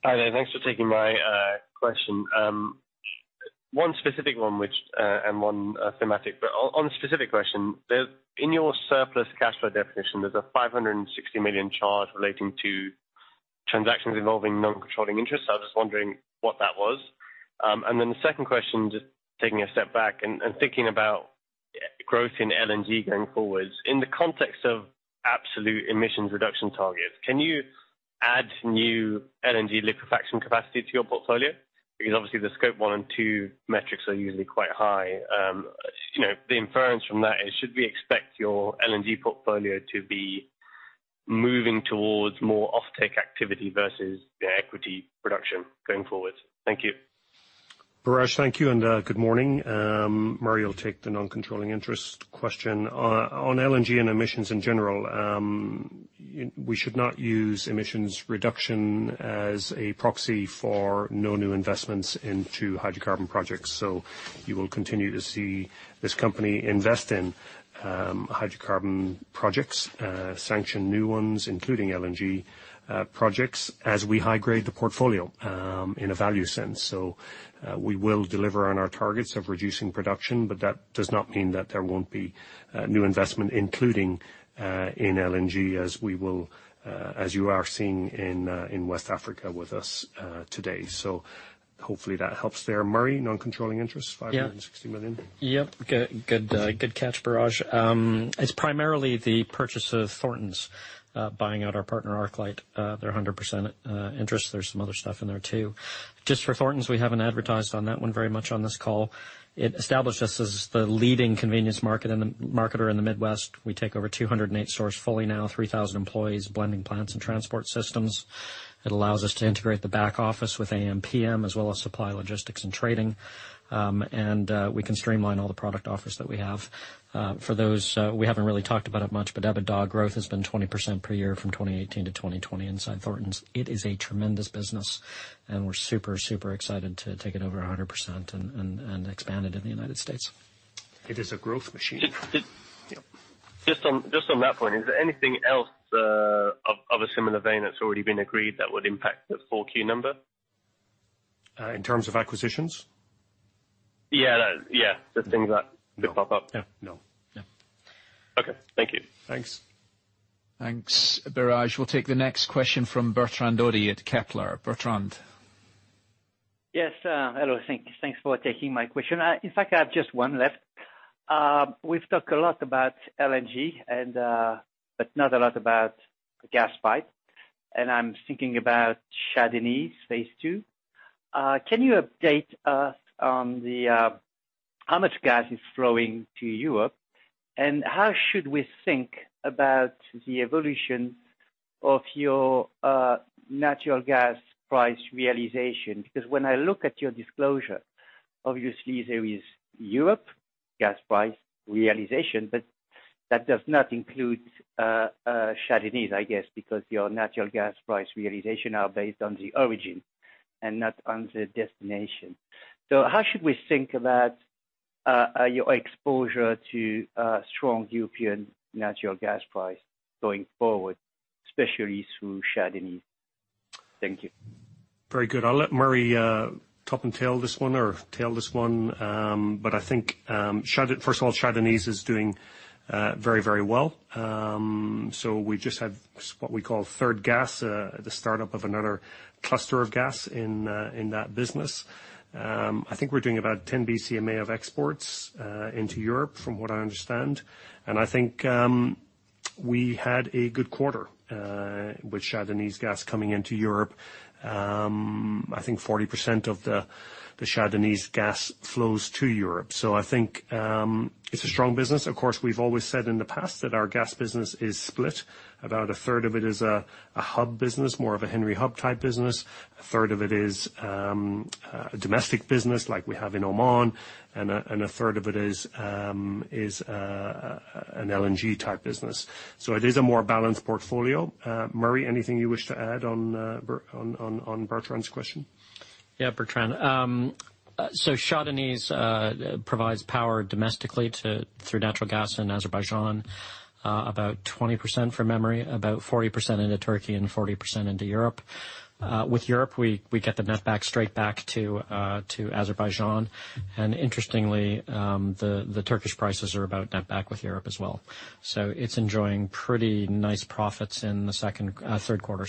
Hi there. Thanks for taking my question. One specific one which, and one thematic. On the specific question, in your surplus cash flow definition, there's a $560 million charge relating to transactions involving non-controlling interests. I was just wondering what that was. Then the second question, just taking a step back and thinking about growth in LNG going forwards. In the context of absolute emissions reduction targets, can you add new LNG liquefaction capacity to your portfolio? Because obviously the Scope 1 and Scope 2 metrics are usually quite high. You know, the inference from that is, should we expect your LNG portfolio to be moving towards more offtake activity versus the equity production going forward? Thank you. Biraj, thank you and good morning. Murray will take the non-controlling interest question. On LNG and emissions in general, we should not use emissions reduction as a proxy for no new investments into hydrocarbon projects. You will continue to see this company invest in hydrocarbon projects, sanction new ones, including LNG projects, as we high grade the portfolio in a value sense. We will deliver on our targets of reducing production, but that does not mean that there won't be new investment including in LNG as we will as you are seeing in West Africa with us today. Hopefully that helps there. Murray, non-controlling interest $560 million. Yeah. Good catch, Biraj. It's primarily the purchase of Thorntons, buying out our partner, ArcLight, their 100% interest. There's some other stuff in there too. Just for Thorntons, we haven't advertised on that one very much on this call. It established us as the leading convenience marketer in the Midwest. We take over 208 stores fully now, 3,000 employees, blending plants and transport systems. It allows us to integrate the back office with ampm as well as supply logistics and trading. And we can streamline all the product offers that we have. For those, we haven't really talked about it much, but EBITDA growth has been 20% per year from 2018 to 2020 inside Thorntons. It is a tremendous business and we're super excited to take it over 100% and expand it in the United States. It is a growth machine. Just, just- Yeah. Just on that point, is there anything else of a similar vein that's already been agreed that would impact the 4Q number? In terms of acquisitions? Yeah, that. Yeah, just things that could pop up. Yeah. No. Yeah. Okay. Thank you. Thanks. Thanks, Biraj. We'll take the next question from Bertrand Hodée at Kepler Cheuvreux. Bertrand. Yes. Hello. Thanks for taking my question. In fact, I have just one left. We've talked a lot about LNG and but not a lot about gas pipe, and I'm thinking about Shah Deniz Phase Two. Can you update us on how much gas is flowing to Europe? How should we think about the evolution of your natural gas price realization? Because when I look at your disclosure, obviously there is Europe gas price realization, but that does not include Shah Deniz, I guess, because your natural gas price realization are based on the origin. Not on the destination. How should we think about your exposure to strong European natural gas price going forward, especially through Shah Deniz? Thank you. Very good. I'll let Murray top and tail this one or tail this one. But I think, Shah Deniz—First of all, Shah Deniz is doing very, very well. We just had what we call third gas, the startup of another cluster of gas in that business. I think we're doing about 10 BCMA of exports into Europe from what I understand. I think we had a good quarter with Shah Deniz gas coming into Europe. I think 40% of the Shah Deniz gas flows to Europe. I think it's a strong business. Of course, we've always said in the past that our gas business is split. About a third of it is a hub business, more of a Henry Hub type business. A third of it is domestic business like we have in Oman, and a third of it is an LNG type business. It is a more balanced portfolio. Murray, anything you wish to add on Bertrand's question? Yeah, Bertrand. So Shah Deniz provides power domestically through natural gas in Azerbaijan, about 20% from memory, about 40% into Turkey and 40% into Europe. With Europe, we get the net back straight back to Azerbaijan. Interestingly, the Turkish prices are about net back with Europe as well. It's enjoying pretty nice profits in the third quarter,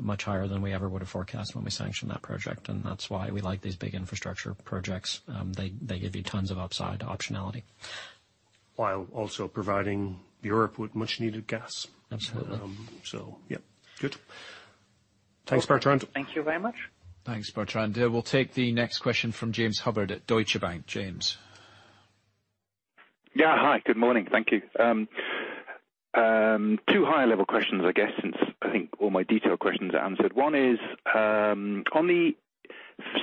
much higher than we ever would have forecast when we sanctioned that project. That's why we like these big infrastructure projects. They give you tons of upside optionality. While also providing Europe with much needed gas. Absolutely. Yeah. Good. Thanks, Bertrand. Thank you very much. Thanks, Bertrand. We'll take the next question from James Hubbard at Deutsche Bank. James. Yeah, hi. Good morning. Thank you. Two higher level questions, I guess, since I think all my detailed questions are answered. One is on the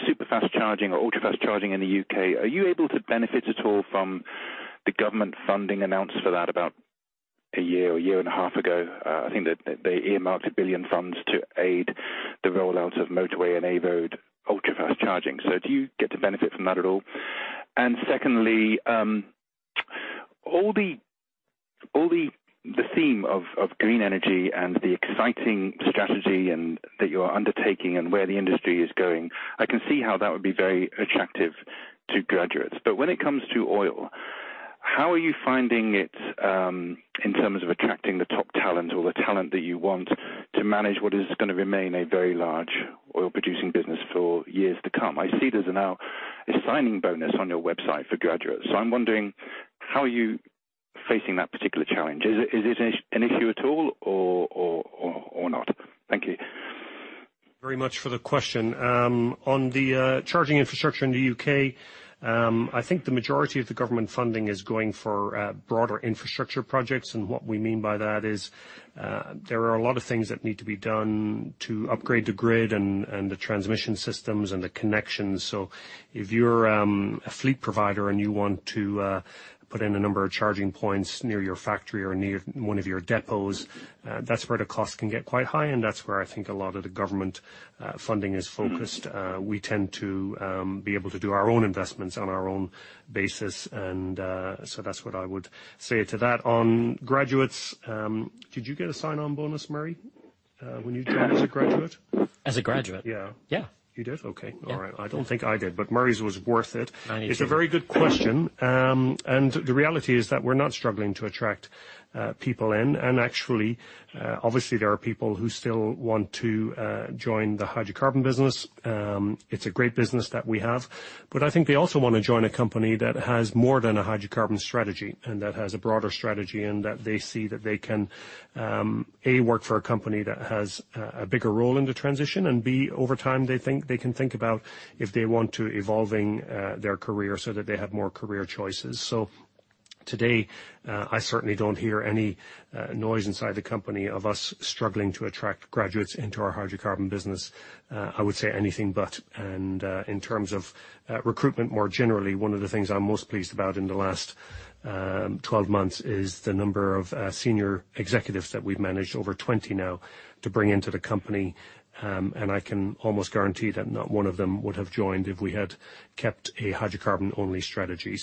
super-fast charging or ultra-fast charging in the U.K., are you able to benefit at all from the government funding announced for that about a year or a year and a half ago? I think that they earmarked 1 billion funds to aid the rollout of motorway-enabled ultra-fast charging. Do you get to benefit from that at all? And secondly, all the theme of green energy and the exciting strategy and that you are undertaking and where the industry is going, I can see how that would be very attractive to graduates. When it comes to oil, how are you finding it in terms of attracting the top talent or the talent that you want to manage what is gonna remain a very large oil producing business for years to come? I see there's now a signing bonus on your website for graduates, so I'm wondering how are you facing that particular challenge? Is it an issue at all or not? Thank you. very much for the question. On the charging infrastructure in the U.K., I think the majority of the government funding is going for broader infrastructure projects. What we mean by that is, there are a lot of things that need to be done to upgrade the grid and the transmission systems and the connections. If you're a fleet provider and you want to put in a number of charging points near your factory or near one of your depots, that's where the cost can get quite high, and that's where I think a lot of the government funding is focused. We tend to be able to do our own investments on our own basis, and that's what I would say to that. On graduates, did you get a sign-on bonus, Murray, when you joined as a graduate? As a graduate? Yeah. Yeah. You did? Okay. Yeah. All right. I don't think I did, but Murray's was worth it. Mine too. It's a very good question. The reality is that we're not struggling to attract people in. Actually, obviously there are people who still want to join the hydrocarbon business. It's a great business that we have. I think they also wanna join a company that has more than a hydrocarbon strategy and that has a broader strategy, and that they see that they can, A, work for a company that has a bigger role in the transition, and B, over time, they think, they can think about if they want to evolving their career so that they have more career choices. Today, I certainly don't hear any noise inside the company of us struggling to attract graduates into our hydrocarbon business. I would say anything but. In terms of recruitment more generally, one of the things I'm most pleased about in the last 12 months is the number of senior executives that we've managed, over 20 senior executives now, to bring into the company. I can almost guarantee that not one of them would have joined if we had kept a hydrocarbon-only strategy.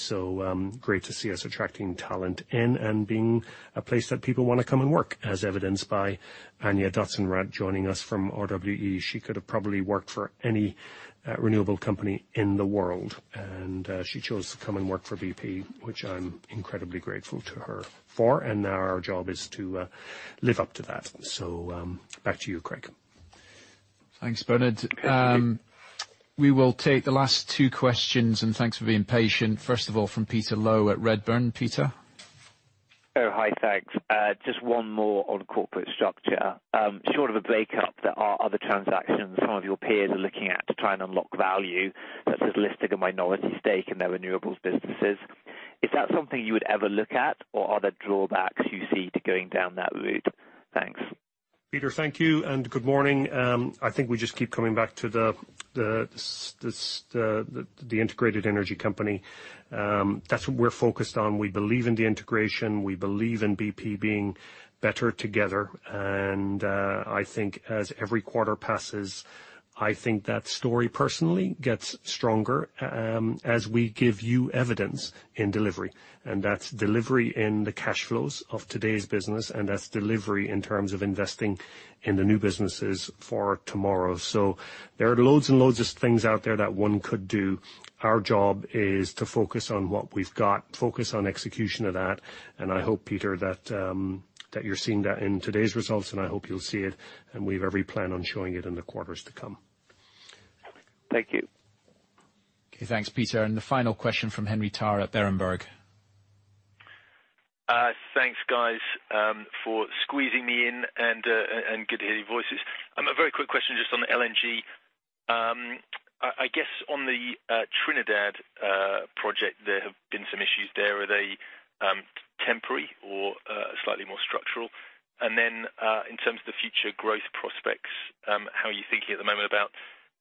Great to see us attracting talent in and being a place that people wanna come and work, as evidenced by Anja-Isabel Dotzenrath joining us from RWE. She could have probably worked for any renewable company in the world, and she chose to come and work for BP, which I'm incredibly grateful to her for. Now our job is to live up to that. Back to you, Craig. Thanks, Bernard. We will take the last two questions and thanks for being patient. First of all, from Peter Low at Redburn. Peter. Oh, hi. Thanks. Just one more on corporate structure. Short of a breakup, there are other transactions some of your peers are looking at to try and unlock value, such as listing a minority stake in their renewables businesses. Is that something you would ever look at, or are there drawbacks you see to going down that route? Thanks. Peter, thank you and good morning. I think we just keep coming back to the integrated energy company, that's what we're focused on. We believe in the integration, we believe in BP being better together. I think as every quarter passes, I think that story personally gets stronger, as we give you evidence in delivery. That's delivery in the cash flows of today's business, and that's delivery in terms of investing in the new businesses for tomorrow. There are loads and loads of things out there that one could do. Our job is to focus on what we've got, focus on execution of that, and I hope, Peter, that you're seeing that in today's results, and I hope you'll see it, and we have every plan on showing it in the quarters to come. Thank you. Okay, thanks, Peter. The final question from Henry Tarr at Berenberg. Thanks, guys, for squeezing me in and good to hear your voices. I have a very quick question just on the LNG. I guess on the Trinidad project, there have been some issues there. Are they temporary or slightly more structural? In terms of the future growth prospects, how are you thinking at the moment about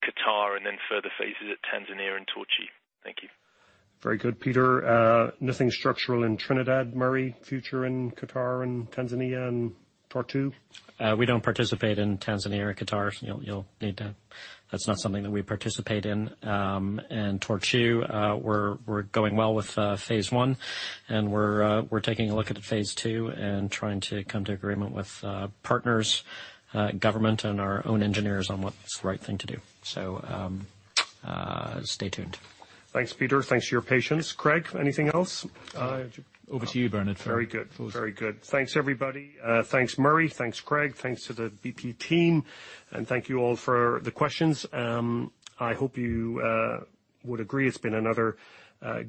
Qatar and then further phases at Tanzania and Tortue? Thank you. Very good, Peter. Nothing structural in Trinidad. Murray, future in Qatar and Tanzania and Tortue? We don't participate in Tanzania or Qatar. You'll need to. That's not something that we participate in. Tortue, we're going well with phase one, and we're taking a look at phase two and trying to come to agreement with partners, government and our own engineers on what's the right thing to do. Stay tuned. Thanks, Peter. Thanks for your patience. Craig, anything else? Over to you, Bernard. Very good. Thanks, everybody. Thanks, Murray. Thanks, Craig. Thanks to the BP team. Thank you all for the questions. I hope you would agree it's been another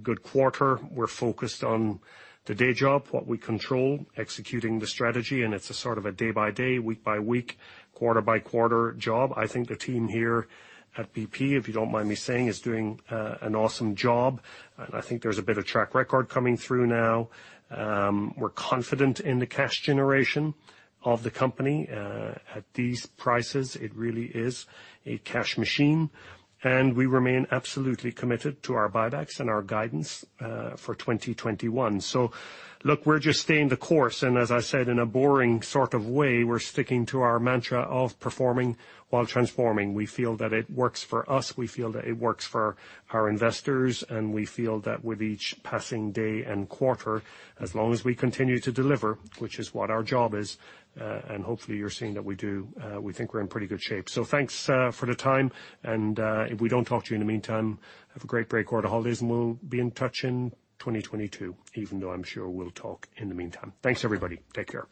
good quarter. We're focused on the day job, what we control, executing the strategy, and it's a sort of a day-by-day, week-by-week, quarter-by-quarter job. I think the team here at BP, if you don't mind me saying, is doing an awesome job. I think there's a bit of track record coming through now. We're confident in the cash generation of the company. At these prices, it really is a cash machine. We remain absolutely committed to our buybacks and our guidance for 2021. Look, we're just staying the course. As I said, in a boring sort of way, we're sticking to our mantra of performing while transforming. We feel that it works for us. We feel that it works for our investors, and we feel that with each passing day and quarter, as long as we continue to deliver, which is what our job is, and hopefully you're seeing that we do, we think we're in pretty good shape. Thanks for the time. If we don't talk to you in the meantime, have a great break or the holidays, and we'll be in touch in 2022, even though I'm sure we'll talk in the meantime. Thanks, everybody. Take care.